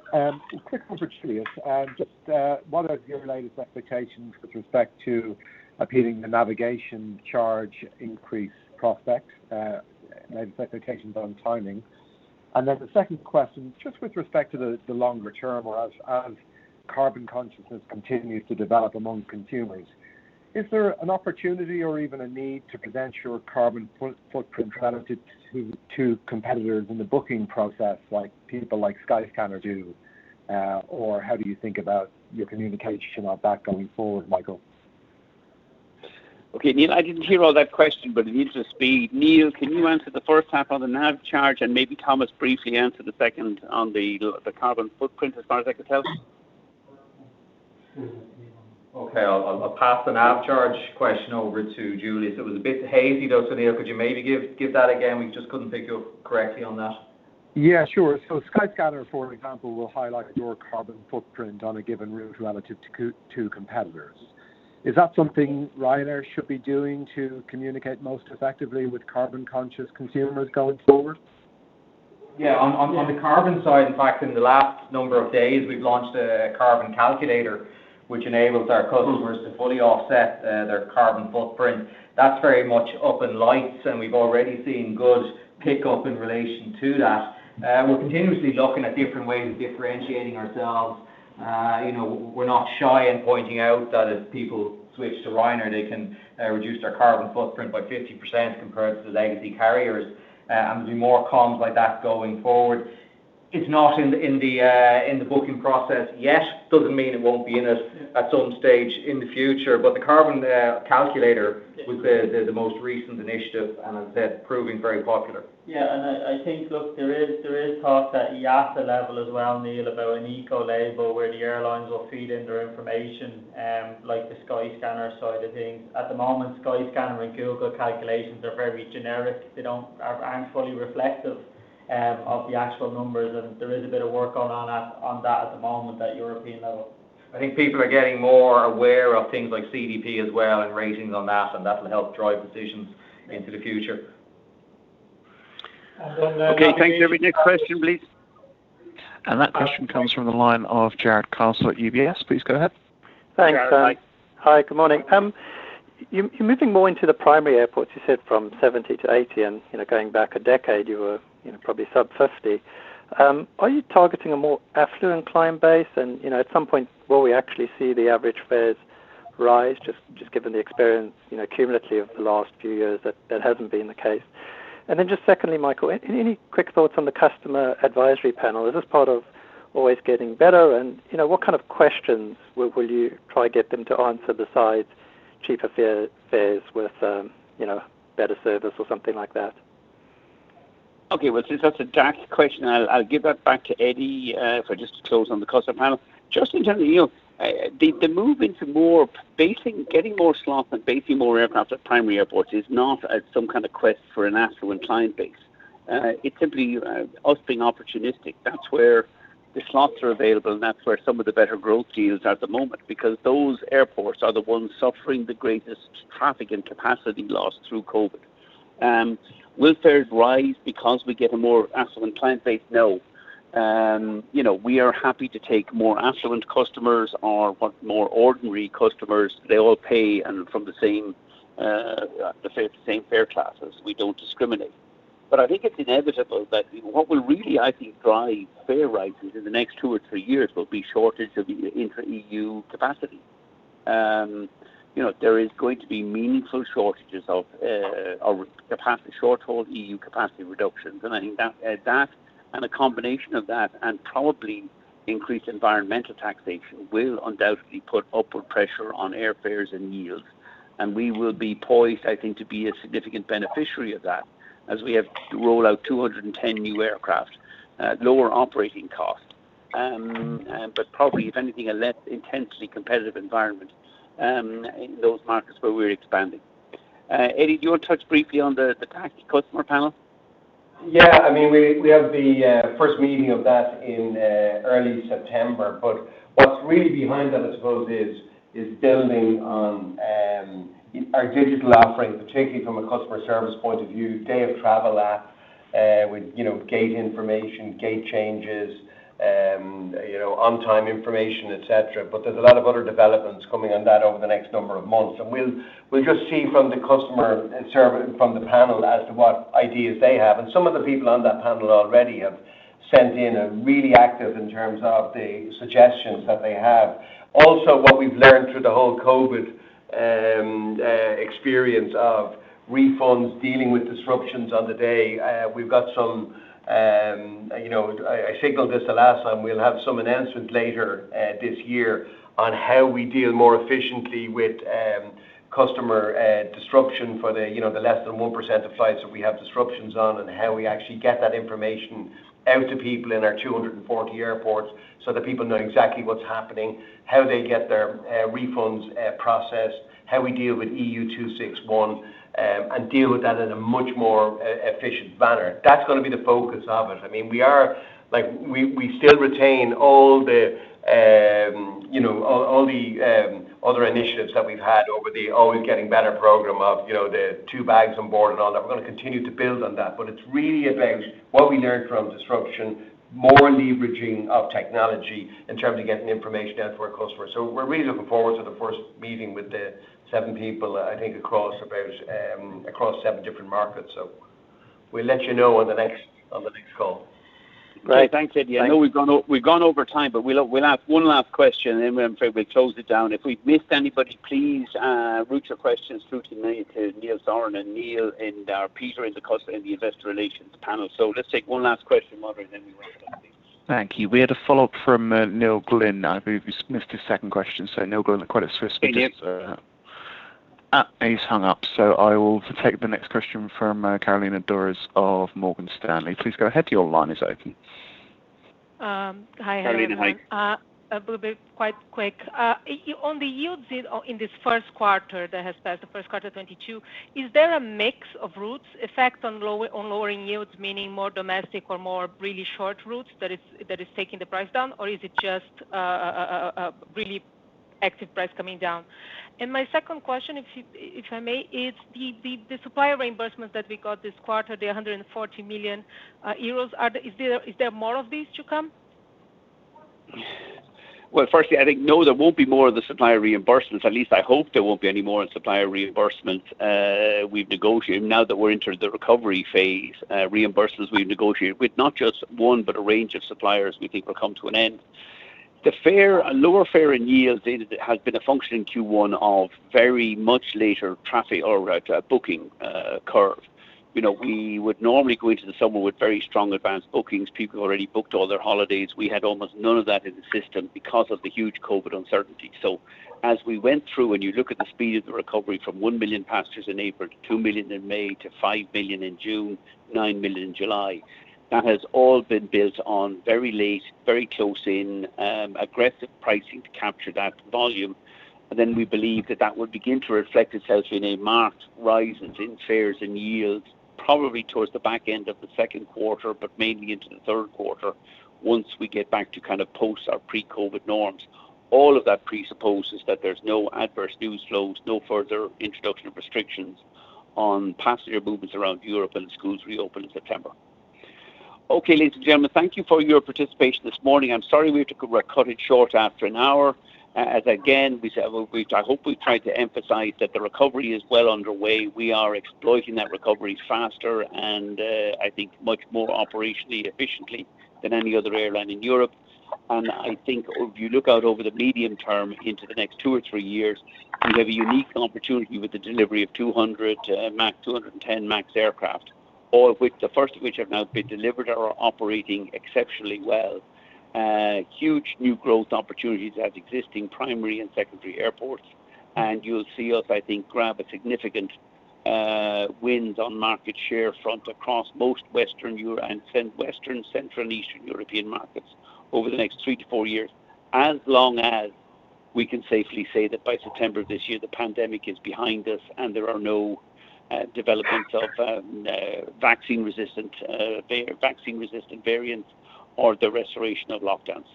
Quick one for Juliusz. Just what are your latest expectations with respect to appealing the navigation charge increase prospect? Maybe expectations on timing. Then the second question, just with respect to the longer term or as carbon consciousness continues to develop among consumers, is there an opportunity or even a need to present your carbon footprint relative to competitors in the booking process, like people like Skyscanner do? How do you think about your communication on that going forward, Michael? Okay, Neil, I didn't hear all that question. In the interest of speed, Neil, can you answer the first half on the nav charge and maybe Thomas briefly answer the second on the carbon footprint, as far as I could tell? Okay. I'll pass the nav charge question over to Juliusz. It was a bit hazy though. Neil, could you maybe give that again? We just couldn't pick you up correctly on that. Yeah, sure. Skyscanner, for example, will highlight your carbon footprint on a given route relative to competitors. Is that something Ryanair should be doing to communicate most effectively with carbon-conscious consumers going forward? Yeah. On the carbon side, in fact, in the last number of days, we've launched a carbon calculator, which enables our customers to fully offset their carbon footprint. That's very much up in lights, and we've already seen good pick up in relation to that. We're continuously looking at different ways of differentiating ourselves. We're not shy in pointing out that if people switch to Ryanair, they can reduce their carbon footprint by 50% compared to the legacy carriers. There'll be more comms like that going forward. It's not in the booking process yet. Doesn't mean it won't be in it at some stage in the future. The carbon calculator was the most recent initiative, and as I said, proving very popular. Yeah. I think, look, there is talk at IATA level as well, Neil, about an eco label where the airlines will feed in their information, like the Skyscanner side of things. At the moment, Skyscanner and Google calculations are very generic. They aren't fully reflective of the actual numbers, and there is a bit of work going on that at the moment at European level. I think people are getting more aware of things like CDP as well and ratings on that, and that'll help drive decisions into the future. Okay, thank you. Next question, please. That question comes from the line of Jarrod Castle at UBS. Please go ahead. Thanks. Jarrod, hi. Hi, good morning. You're moving more into the primary airports, you said from 70-80, going back a decade, you were probably sub 50. Are you targeting a more affluent client base? At some point, will we actually see the average fares rise, just given the experience cumulatively of the last few years that that hasn't been the case? Just secondly, Michael, any quick thoughts on the customer advisory panel? Is this part of Always Getting Better? What kind of questions will you try to get them to answer besides cheaper fares with better service or something like that? Okay. Well, since that's a dark question, I'll give that back to Eddie for just to close on the customer panel. Just in general, the move into getting more slots and basing more aircraft at primary airports is not some kind of quest for an affluent client base. It's simply us being opportunistic. That's where the slots are available, and that's where some of the better growth deals are at the moment because those airports are the ones suffering the greatest traffic and capacity loss through COVID. Will fares rise because we get a more affluent client base? No. We are happy to take more affluent customers or more ordinary customers. They all pay and from the same fare classes. We don't discriminate. I think it's inevitable that what will really, I think, drive fare rises in the next two or three years will be shortage of intra-EU capacity. There is going to be meaningful shortages of capacity short-haul EU capacity reductions. I think that and a combination of that and probably increased environmental taxation will undoubtedly put upward pressure on airfares and yields. We will be poised, I think, to be a significant beneficiary of that as we have rolled out 210 new aircraft at lower operating costs. Probably, if anything, a less intensely competitive environment in those markets where we're expanding. Eddie, do you want to touch briefly on the customer panel? Yeah. We have the first meeting of that in early September. What's really behind that, I suppose, is building on our digital offering, particularly from a customer service point of view. Day of travel app with gate information, gate changes, on-time information, et cetera. There's a lot of other developments coming on that over the next number of months, and we'll just see from the customer service from the panel as to what ideas they have. Some of the people in that panel already sent in are really active in terms of the suggestions that they have. Also, what we've learned through the whole COVID experience of refunds, dealing with disruptions on the day. I signaled this the last time, we'll have some announcements later this year on how we deal more efficiently with customer disruption for the less than 1% of flights that we have disruptions on, and how we actually get that information out to people in our 240 airports so that people know exactly what's happening, how they get their refunds processed, how we deal with EU261, and deal with that in a much more efficient manner. That's going to be the focus of it. We still retain all the other initiatives that we've had over the Always Getting Better program of the two bags on board and all that. We're going to continue to build on that. It's really about what we learned from disruption, more leveraging of technology in terms of getting information out to our customers. We're really looking forward to the first meeting with the seven people, I think across seven different markets. We'll let you know on the next call. Great. Thanks, Eddie. I know we've gone over time, we'll have one last question, and then I'm afraid we'll close it down. If we've missed anybody, please route your questions through to me, to Neil Sorahan, and Peter in the investor relations panel. Let's take one last question, moderator, and then we will close. Thank you. We had a follow-up from Neil Glynn. I believe we missed his second question. Neil Glynn, the Credit Suisse speaker. He did? He's hung up. I will take the next question from Carolina Dores of Morgan Stanley. Please go ahead, your line is open. Hi, everyone. Carolina, you're on. I'll be quite quick. On the yields in this first quarter that has passed, the first quarter 2022, is there a mix of routes effect on lowering yields, meaning more domestic or more really short routes that is taking the price down? Is it just a really active price coming down? My second question, if I may, is the supplier reimbursements that we got this quarter, the 140 million euros, is there more of these to come? Well, firstly, I think, no, there won't be more of the supplier reimbursements. At least I hope there won't be any more supplier reimbursements. We've negotiated, now that we're into the recovery phase, reimbursements we've negotiated with not just one, but a range of suppliers, we think will come to an end. The lower fare in yields has been a function in Q1 of very much later traffic or booking curve. We would normally go into the summer with very strong advanced bookings. People already booked all their holidays. We had almost none of that in the system because of the huge COVID uncertainty. As we went through, when you look at the speed of the recovery from 1 million passengers in April to 2 million in May to 5 million in June, 9 million in July, that has all been built on very late, very close in, aggressive pricing to capture that volume. We believe that that will begin to reflect itself in a marked rise in fares and yields probably towards the back end of the second quarter, but mainly into the third quarter, once we get back to post our pre-COVID norms. All of that presupposes that there's no adverse news flows, no further introduction of restrictions on passenger movements around Europe, and schools reopen in September. Okay, ladies and gentlemen, thank you for your participation this morning. I'm sorry we had to cut it short after an hour, as again, I hope we've tried to emphasize that the recovery is well underway. We are exploiting that recovery faster and, I think, much more operationally efficiently than any other airline in Europe. I think if you look out over the medium term into the next two or three years, we have a unique opportunity with the delivery of 210 MAX aircraft, the first of which have now been delivered and are operating exceptionally well. Huge new growth opportunities at existing primary and secondary airports, you'll see us, I think, grab significant wins on market share front across most Western, Central, and Eastern European markets over the next three to four years, as long as we can safely say that by September of this year, the pandemic is behind us and there are no developments of vaccine-resistant variants or the restoration of lockdowns.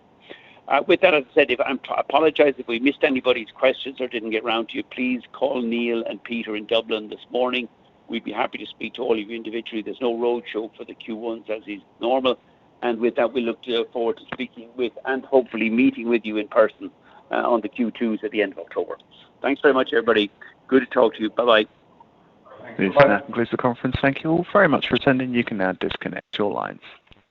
With that, as I said, I apologize if we missed anybody's questions or didn't get around to you. Please call Neil and Peter in Dublin this morning. We'd be happy to speak to all of you individually. There's no roadshow for the Q1 as is normal. With that, we look forward to speaking with, and hopefully meeting with you in person on the Q2s at the end of October. Thanks very much, everybody. Good to talk to you. Bye-bye. Thank you all very much for attending. You can now disconnect your line.